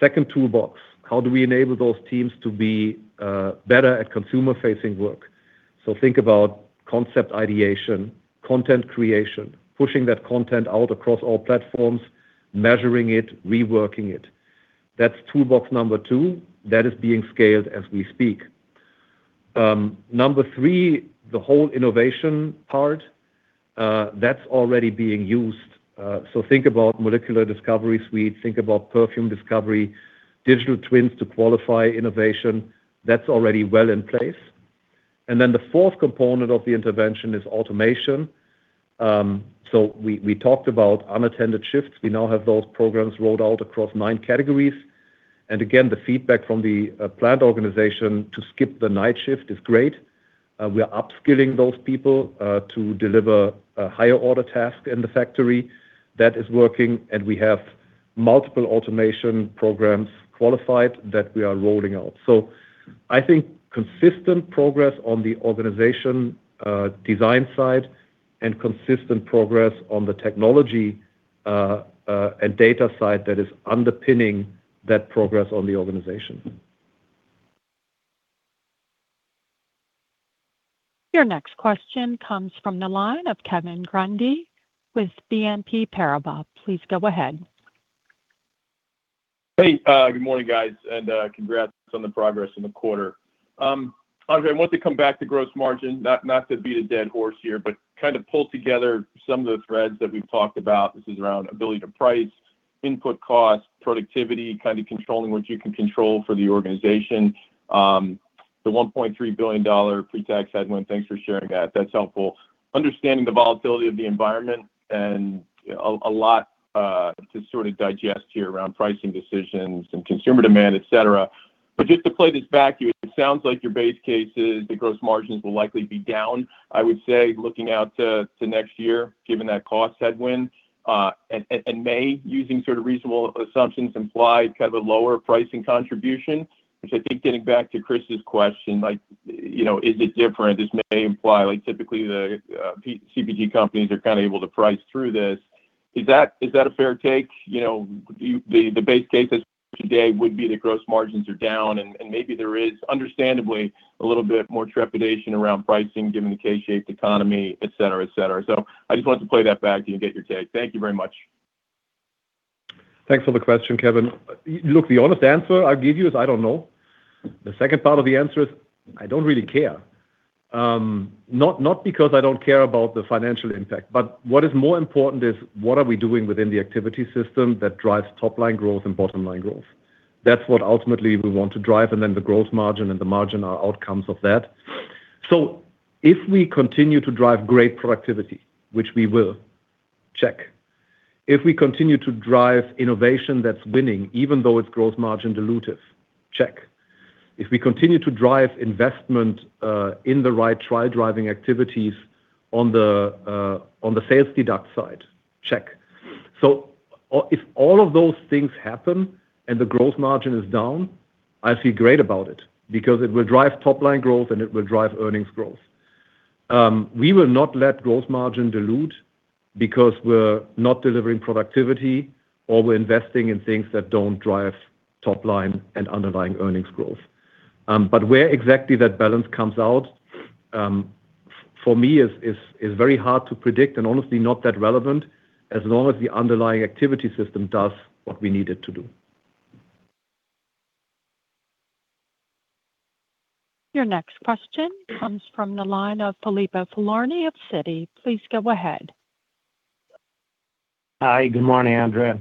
Second toolbox, how do we enable those teams to be better at consumer-facing work? Think about concept ideation, content creation, pushing that content out across all platforms, measuring it, reworking it. That's toolbox number two. That is being scaled as we speak. Number three, the whole innovation part, that's already being used. Think about molecular discovery suite, think about perfume discovery, digital twins to qualify innovation. That's already well in place. The fourth component of the intervention is automation. We talked about unattended shifts. We now have those programs rolled out across nine categories. The feedback from the plant organization to skip the night shift is great. We are upskilling those people to deliver a higher order task in the factory. That is working, and we have multiple automation programs qualified that we are rolling out. I think consistent progress on the organization design side and consistent progress on the technology and data side that is underpinning that progress on the organization. Your next question comes from the line of Kevin Grundy with BNP Paribas. Please go ahead. Hey, good morning guys and congrats on the progress in the quarter. Andre, I want to come back to gross margin, not to beat a dead horse here, but kind of pull together some of the threads that we've talked about. This is around ability to price, input cost, productivity, kind of controlling what you can control for the organization. The $1.3 billion pre-tax headwind, thanks for sharing that. That's helpful. Understanding the volatility of the environment and a lot to sort of digest here around pricing decisions and consumer demand, et cetera. Just to play this back to you, it sounds like your base case is the gross margins will likely be down, I would say, looking out to next year, given that cost headwind. In May, using sort of reasonable assumptions, imply kind of a lower pricing contribution, which I think, getting back to Chris's question, is it different? This may imply, typically, the CPG companies are able to price through this. Is that a fair take? The base case as today would be the gross margins are down, and maybe there is, understandably, a little bit more trepidation around pricing, given the K-shaped economy, et cetera. I just wanted to play that back to you and get your take. Thank you very much. Thanks for the question, Kevin. Look, the honest answer I'll give you is I don't know. The second part of the answer is I don't really care. Not because I don't care about the financial impact, but what is more important is what are we doing within the activity system that drives top-line growth and bottom-line growth? That's what ultimately we want to drive, and then the growth margin and the margin are outcomes of that. So if we continue to drive great productivity, which we will, check. If we continue to drive innovation that's winning, even though it's growth margin dilutive, check. If we continue to drive investment in the right trial driving activities on the sales deduct side, check. If all of those things happen and the growth margin is down, I feel great about it because it will drive top-line growth, and it will drive earnings growth. We will not let growth margin dilute because we're not delivering productivity or we're investing in things that don't drive top line and underlying earnings growth. Where exactly that balance comes out, for me, is very hard to predict and honestly not that relevant as long as the underlying activity system does what we need it to do. Your next question comes from the line of Filippo Falorni of Citi. Please go ahead. Hi, good morning Andre.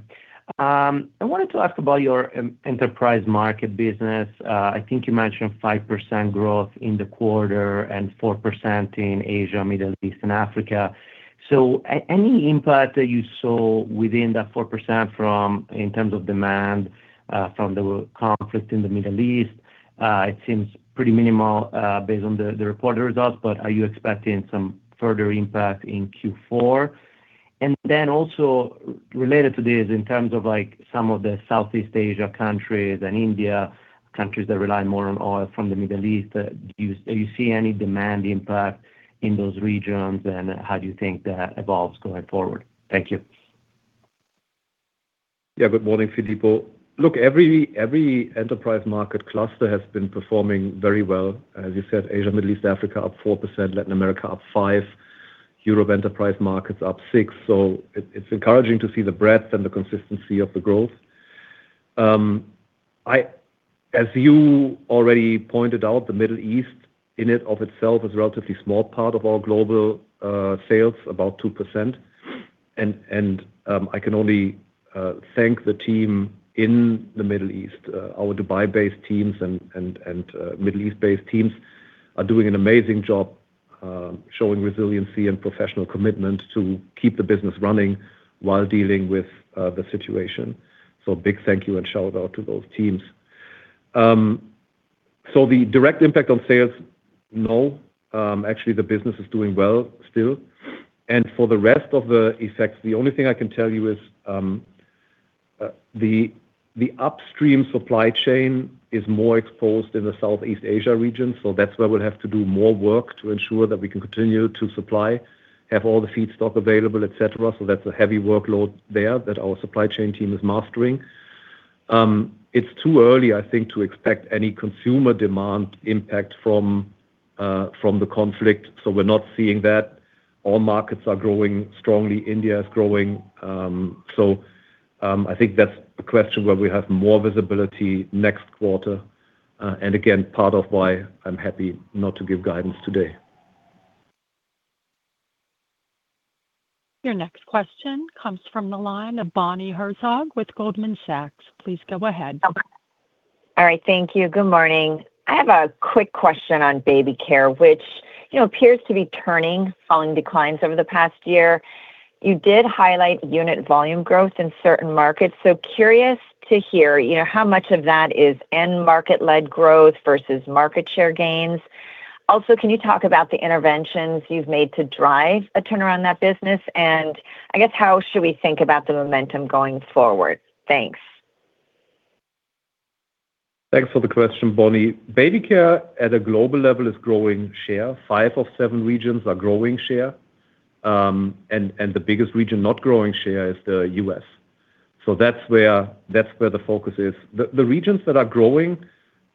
I wanted to ask about your enterprise market business. I think you mentioned 5% growth in the quarter and 4% in Asia, Middle East, and Africa. Any impact that you saw within that 4% in terms of demand from the conflict in the Middle East? It seems pretty minimal based on the reported results, but are you expecting some further impact in Q4? Related to this in terms of some of the Southeast Asia countries and India, countries that rely more on oil from the Middle East, do you see any demand impact in those regions, and how do you think that evolves going forward? Thank you. Yeah. Good morning, Filippo. Look, every enterprise market cluster has been performing very well. As you said, Asia, Middle East, Africa up 4%, Latin America up 5%, Europe enterprise markets up 6%. It's encouraging to see the breadth and the consistency of the growth. As you already pointed out, the Middle East in and of itself is a relatively small part of our global sales, about 2%. I can only thank the team in the Middle East. Our Dubai-based teams and Middle East-based teams are doing an amazing job showing resiliency and professional commitment to keep the business running while dealing with the situation. Big thank you and shout-out to those teams. The direct impact on sales, no. Actually, the business is doing well still. For the rest of the effects, the only thing I can tell you is the upstream supply chain is more exposed in the Southeast Asia region. That's where we'll have to do more work to ensure that we can continue to supply, have all the feedstock available, et cetera. That's a heavy workload there that our supply chain team is mastering. It's too early, I think, to expect any consumer demand impact from the conflict. We're not seeing that. All markets are growing strongly. India is growing. I think that's a question where we have more visibility next quarter, and again, part of why I'm happy not to give guidance today. Your next question comes from the line of Bonnie Herzog with Goldman Sachs. Please go ahead. Okay. All right, thank you. Good morning. I have a quick question on Baby Care, which appears to be turning following declines over the past year. You did highlight unit volume growth in certain markets, so curious to hear, how much of that is end market-led growth versus market share gains. Also, can you talk about the interventions you've made to drive a turnaround in that business, and I guess how should we think about the momentum going forward? Thanks. Thanks for the question, Bonnie. Baby Care at a global level is growing share. Five of seven regions are growing share. The biggest region not growing share is the U.S. That's where the focus is. The regions that are growing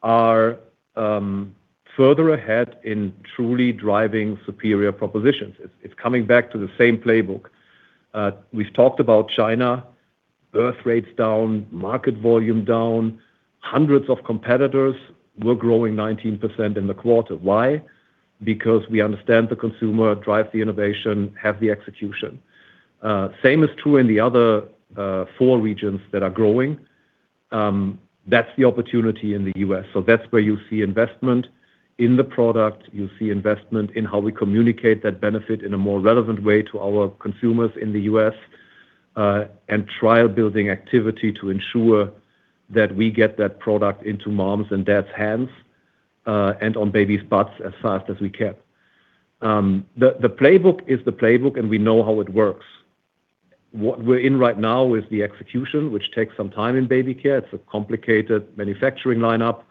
are further ahead in truly driving superior propositions. It's coming back to the same playbook. We've talked about China, birth rates down, market volume down, hundreds of competitors. We're growing 19% in the quarter. Why? Because we understand the consumer, drive the innovation, have the execution. Same is true in the other four regions that are growing. That's the opportunity in the U.S. That's where you see investment in the product. You see investment in how we communicate that benefit in a more relevant way to our consumers in the U.S., and trial-building activity to ensure that we get that product into moms' and dads' hands, and on babies' butts as fast as we can. The playbook is the playbook, and we know how it works. What we're in right now is the execution, which takes some time in Baby Care. It's a complicated manufacturing lineup,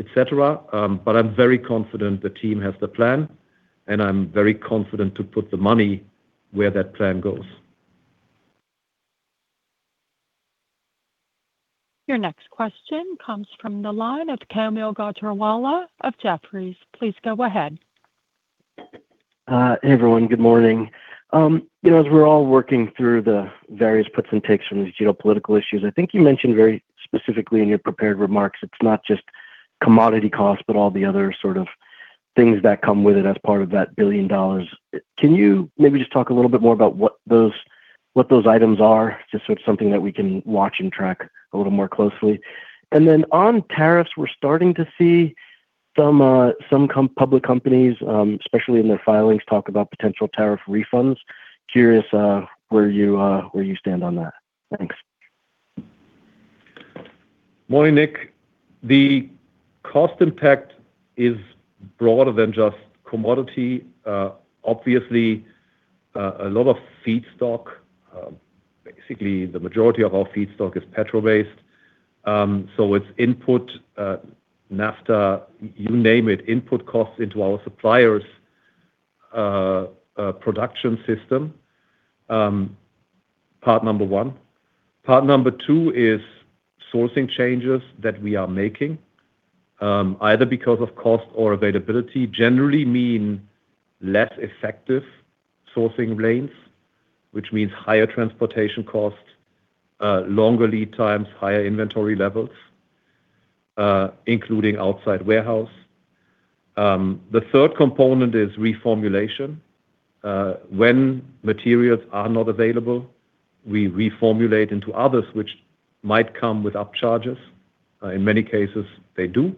et cetera. I'm very confident the team has the plan, and I'm very confident to put the money where that plan goes. Your next question comes from the line of Kaumil Gajrawala of Jefferies. Please go ahead. Hey, everyone. Good morning. As we're all working through the various puts and takes from these geopolitical issues, I think you mentioned very specifically in your prepared remarks, it's not just commodity costs, but all the other sort of things that come with it as part of that $1 billion. Can you maybe just talk a little bit more about what those items are? Just so it's something that we can watch and track a little more closely. On tariffs, we're starting to see some public companies, especially in their filings, talk about potential tariff refunds. Curious where you stand on that. Thanks. Morning, Nick. The cost impact is broader than just commodity. Obviously, a lot of feedstock, basically the majority of our feedstock is petrol-based. It's input, naphtha, you name it, input costs into our suppliers' production system. Point number one. Point number two is sourcing changes that we are making, either because of cost or availability, generally mean less effective sourcing lanes, which means higher transportation costs, longer lead times, higher inventory levels, including outside warehouse. The third component is reformulation. When materials are not available, we reformulate into others, which might come with upcharges. In many cases they do.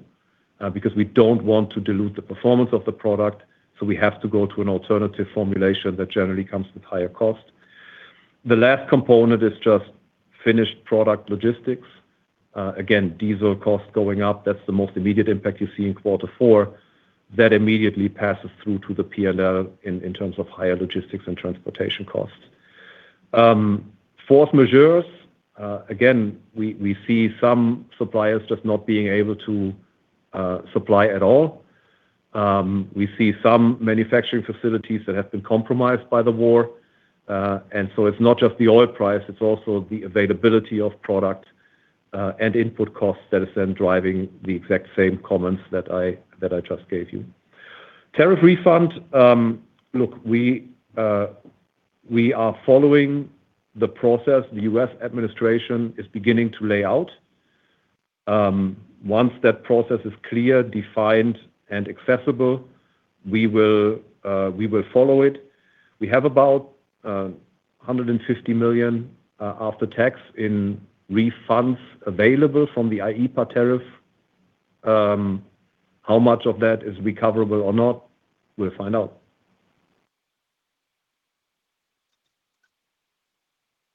We don't want to dilute the performance of the product, so we have to go to an alternative formulation that generally comes with higher cost. The last component is just finished product logistics. Diesel costs going up. That's the most immediate impact you see in quarter four. That immediately passes through to the P&L in terms of higher logistics and transportation costs. Force majeures, again, we see some suppliers just not being able to supply at all. We see some manufacturing facilities that have been compromised by the war. It's not just the oil price, it's also the availability of product, and input costs that is then driving the exact same comments that I just gave you. Tariff refund, look, we are following the process the U.S. administration is beginning to lay out. Once that process is clear, defined, and accessible, we will follow it. We have about $150 million after tax in refunds available from the IEEPA tariff. How much of that is recoverable or not, we'll find out.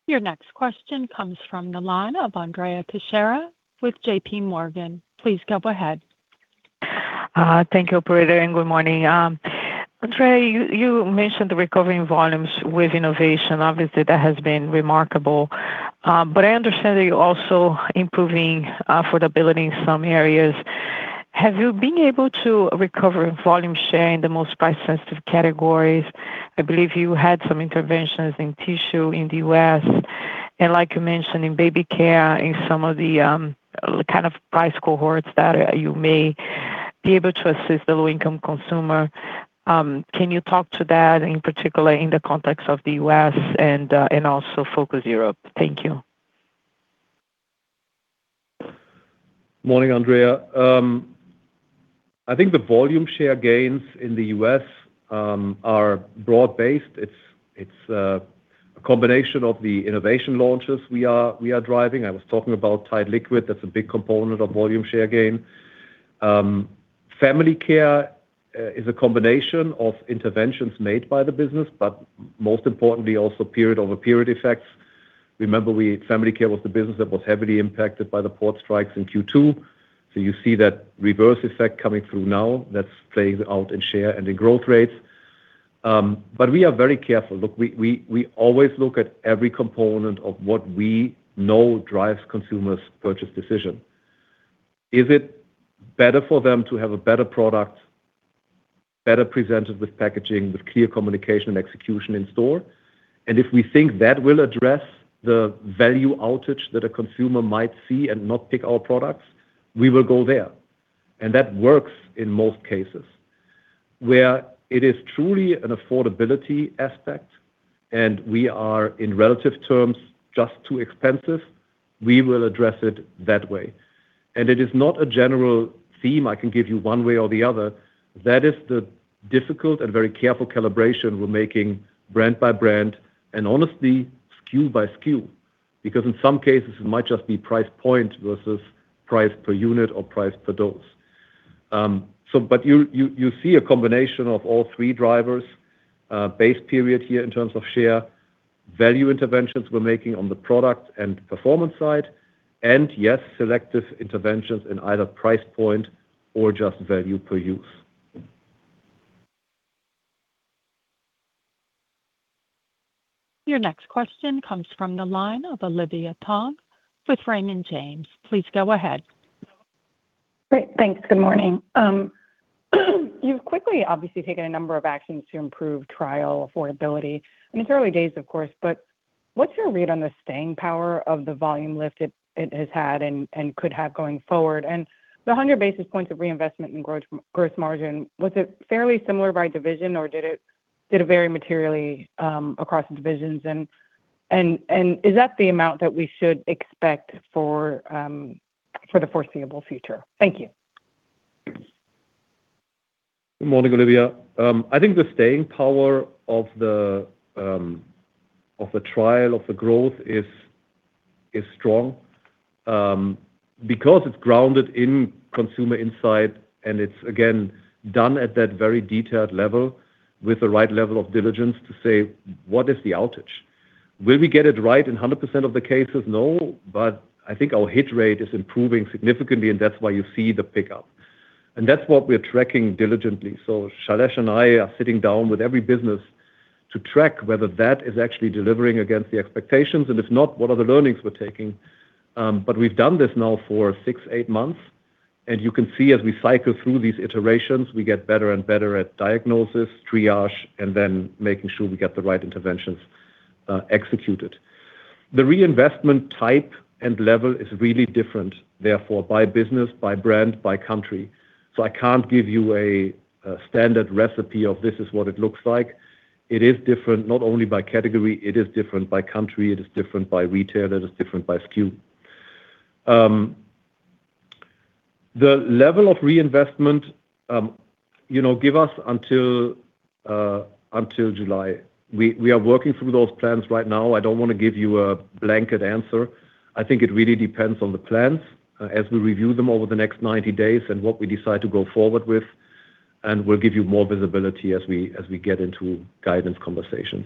Your next question comes from the line of Andrea Teixeira with JPMorgan. Please go ahead. Thank you operator and good morning. Andre, you mentioned recovering volumes with innovation. Obviously, that has been remarkable. I understand that you're also improving affordability in some areas. Have you been able to recover volume share in the most price-sensitive categories? I believe you had some interventions in tissue in the U.S., and like you mentioned in Baby Care, in some of the price cohorts that you may be able to assist the low-income consumer. Can you talk to that in particular in the context of the U.S. and also focus Europe? Thank you. Morning, Andrea. I think the volume share gains in the U.S. are broad-based. It's a combination of the innovation launches we are driving. I was talking about Tide liquid, that's a big component of volume share gain. Family Care is a combination of interventions made by the business, but most importantly also period-over-period effects. Remember, Family Care was the business that was heavily impacted by the port strikes in Q2. You see that reverse effect coming through now that plays out in share and in growth rates. We are very careful. Look, we always look at every component of what we know drives consumers' purchase decision. Is it better for them to have a better product, better presented with packaging, with clear communication and execution in store? If we think that will address the value equation that a consumer might see and not pick our products, we will go there. That works in most cases. Where it is truly an affordability aspect and we are in relative terms, just too expensive, we will address it that way. It is not a general theme I can give you one way or the other. That is the difficult and very careful calibration we're making brand by brand and honestly SKU by SKU, because in some cases it might just be price point versus price per unit or price per dose. You see a combination of all three drivers, base period here in terms of share, value interventions we're making on the product and performance side, and yes, selective interventions in either price point or just value per use. Your next question comes from the line of Olivia Tong with Raymond James. Please go ahead. Great. Thanks. Good morning. You've quickly obviously taken a number of actions to improve trial affordability. It's early days, of course, but what's your read on the staying power of the volume lift it has had and could have going forward? And the 100 basis points of reinvestment in gross margin, was it fairly similar by division or did it vary materially across the divisions? And is that the amount that we should expect for the foreseeable future? Thank you. Good morning, Olivia. I think the staying power of the trial, of the growth is strong because it's grounded in consumer insight and it's again done at that very detailed level with the right level of diligence to say, what is the outage? Will we get it right in 100% of the cases? No, but I think our hit rate is improving significantly and that's why you see the pickup. That's what we're tracking diligently. Shailesh and I are sitting down with every business to track whether that is actually delivering against the expectations and if not, what are the learnings we're taking? We've done this now for six, eight months and you can see as we cycle through these iterations we get better and better at diagnosis, triage and then making sure we get the right interventions executed. The reinvestment type and level is really different therefore by business, by brand, by country. I can't give you a standard recipe of this is what it looks like. It is different not only by category, it is different by country, it is different by retailer, it is different by SKU. The level of reinvestment. Give us until July. We are working through those plans right now. I don't want to give you a blanket answer. I think it really depends on the plans as we review them over the next 90 days and what we decide to go forward with and we'll give you more visibility as we get into guidance conversations.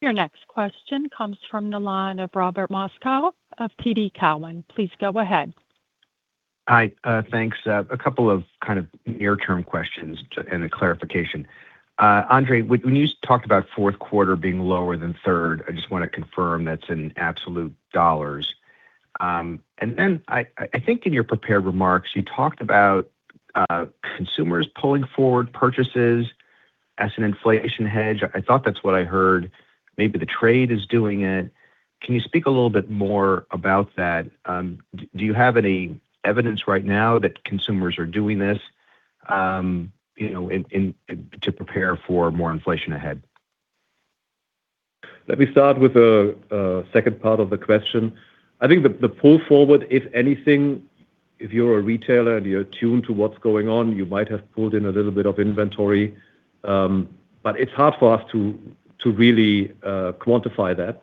Your next question comes from the line of Robert Moskow of TD Cowen. Please go ahead. Hi, thanks. A couple of kind of near term questions and a clarification. Andre, when you talked about fourth quarter being lower than third, I just want to confirm that's in absolute dollars. I think in your prepared remarks you talked about consumers pulling forward purchases as an inflation hedge. I thought that's what I heard. Maybe the trade is doing it. Can you speak a little bit more about that? Do you have any evidence right now that consumers are doing this to prepare for more inflation ahead? Let me start with the second part of the question. I think the pull forward, if anything, if you're a retailer and you're attuned to what's going on, you might have pulled in a little bit of inventory, but it's hard for us to really quantify that.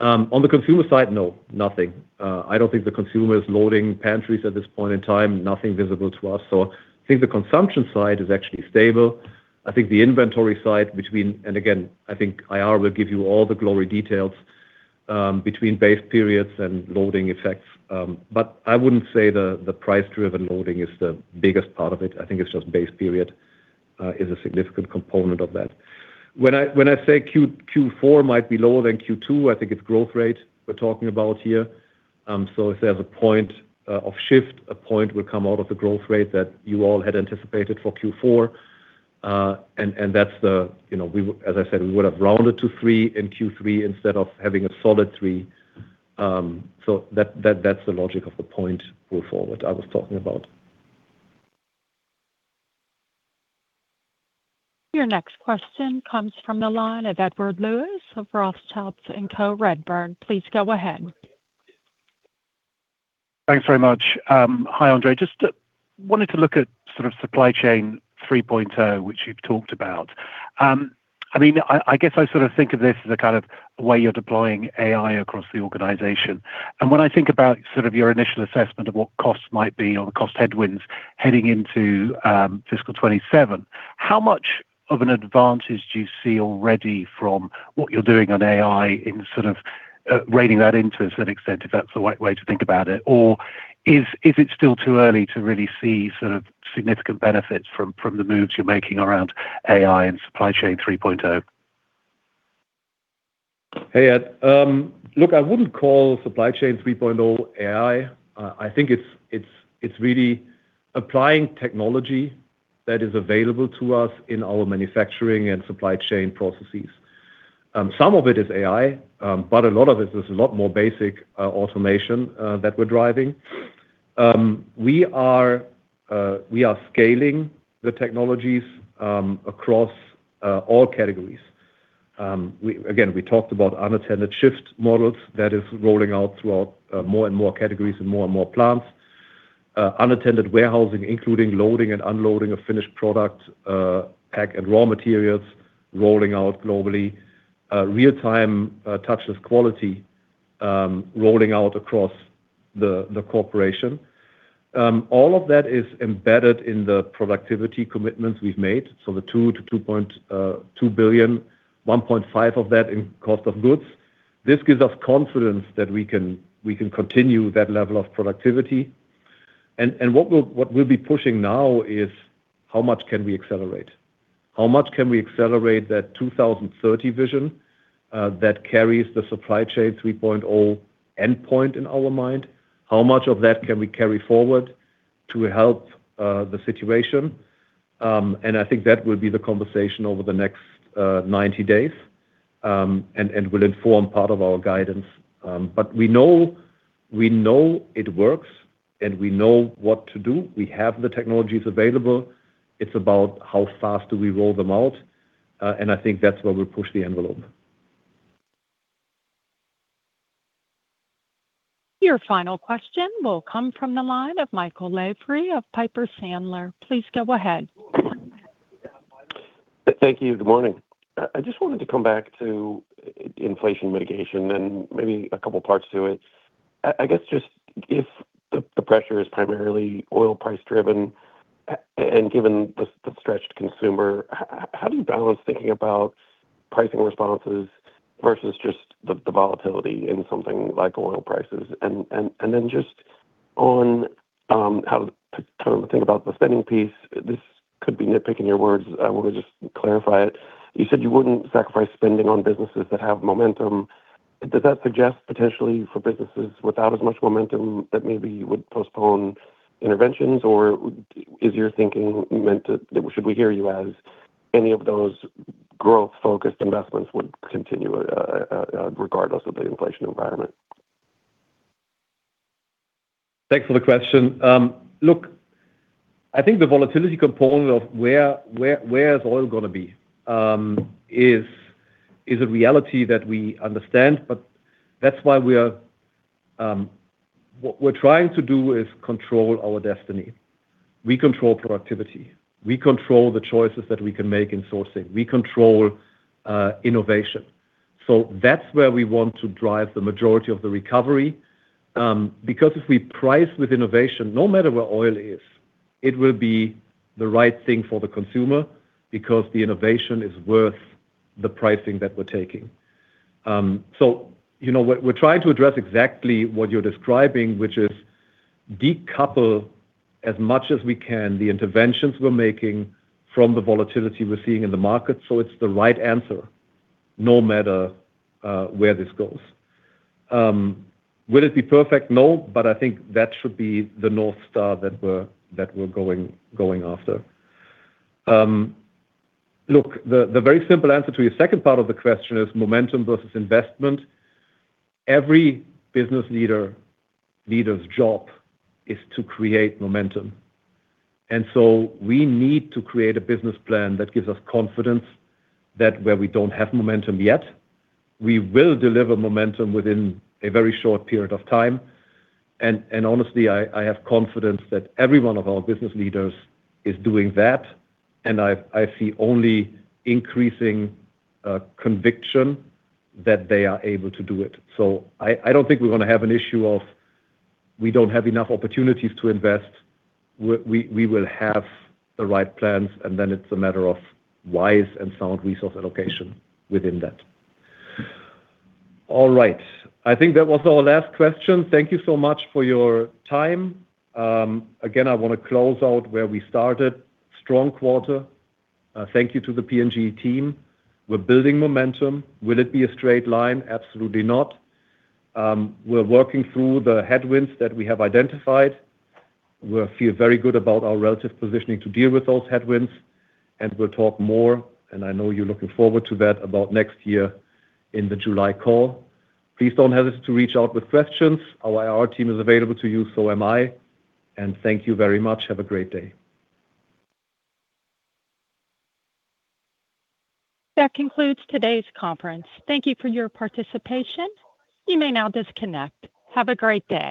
On the consumer side, no, nothing. I don't think the consumer is loading pantries at this point in time, nothing visible to us. I think the consumption side is actually stable. I think the inventory side between, and again, I think IR will give you all the gory details between base periods and loading effects, but I wouldn't say the price driven loading is the biggest part of it. I think it's just base period is a significant component of that. When I say Q4 might be lower than Q2, I think it's growth rate we're talking about here. If there's a point of shift, a point will come out of the growth rate that you all had anticipated for Q4. As I said, we would've rounded to 3% in Q3 instead of having a solid 3%. That's the logic of the point going forward I was talking about. Your next question comes from the line of Edward Lewis of Rothschild & Co Redburn. Please go ahead. Thanks very much. Hi, Andre. Just wanted to look at Supply Chain 3.0, which you've talked about. I guess I think of this as a kind of way you're deploying AI across the organization. When I think about your initial assessment of what costs might be or the cost headwinds heading into fiscal 2027, how much of an advantage do you see already from what you're doing on AI in rating that in to a certain extent, if that's the right way to think about it? Or is it still too early to really see significant benefits from the moves you're making around AI and Supply Chain 3.0? Hey, Ed. Look, I wouldn't call Supply Chain 3.0 AI. I think it's really applying technology that is available to us in our manufacturing and supply chain processes. Some of it is AI, but a lot of it is a lot more basic automation that we're driving. We are scaling the technologies across all categories. Again, we talked about unattended shift models that is rolling out throughout more and more categories and more and more plants. Unattended warehousing, including loading and unloading of finished product, pack and raw materials rolling out globally. Real-time touchless quality rolling out across the corporation. All of that is embedded in the productivity commitments we've made, so the $2-$2.2 billion, $1.5 billion of that in cost of goods. This gives us confidence that we can continue that level of productivity. What we'll be pushing now is, how much can we accelerate? How much can we accelerate that 2030 vision that carries the Supply Chain 3.0 endpoint in our mind? How much of that can we carry forward to help the situation? I think that will be the conversation over the next 90 days, and will inform part of our guidance. We know it works, and we know what to do. We have the technologies available. It's about how fast do we roll them out, and I think that's where we'll push the envelope. Your final question will come from the line of Michael Lavery of Piper Sandler. Please go ahead. Thank you. Good morning. I just wanted to come back to inflation mitigation, and maybe a couple of parts to it. I guess just if the pressure is primarily oil price driven, and given the stretched consumer, how do you balance thinking about pricing responses versus just the volatility in something like oil prices? And then just on how to think about the spending piece, this could be nitpicking your words, I want to just clarify it. You said you wouldn't sacrifice spending on businesses that have momentum. Does that suggest potentially for businesses without as much momentum that maybe you would postpone interventions, or is your thinking meant that, should we hear you as any of those growth-focused investments would continue regardless of the inflation environment? Thanks for the question. Look, I think the volatility component of where is oil going to be is a reality that we understand, but that's why what we're trying to do is control our destiny. We control productivity. We control the choices that we can make in sourcing. We control innovation. That's where we want to drive the majority of the recovery. Because if we price with innovation, no matter where oil is, it will be the right thing for the consumer because the innovation is worth the pricing that we're taking. We're trying to address exactly what you're describing, which is decouple as much as we can the interventions we're making from the volatility we're seeing in the market so it's the right answer no matter where this goes. Will it be perfect? No, but I think that should be the North Star that we're going after. Look, the very simple answer to your second part of the question is momentum versus investment. Every business leader's job is to create momentum. We need to create a business plan that gives us confidence that where we don't have momentum yet, we will deliver momentum within a very short period of time. Honestly, I have confidence that every one of our business leaders is doing that, and I see only increasing conviction that they are able to do it. I don't think we're going to have an issue of we don't have enough opportunities to invest. We will have the right plans, and then it's a matter of wise and sound resource allocation within that. All right. I think that was our last question. Thank you so much for your time. Again, I want to close out where we started. Strong quarter. Thank you to the P&G team. We're building momentum. Will it be a straight line? Absolutely not. We're working through the headwinds that we have identified. We feel very good about our relative positioning to deal with those headwinds, and we'll talk more, and I know you're looking forward to that about next year in the July call. Please don't hesitate to reach out with questions. Our IR team is available to you, so am I. Thank you very much. Have a great day. That concludes today's conference. Thank you for your participation. You may now disconnect. Have a great day.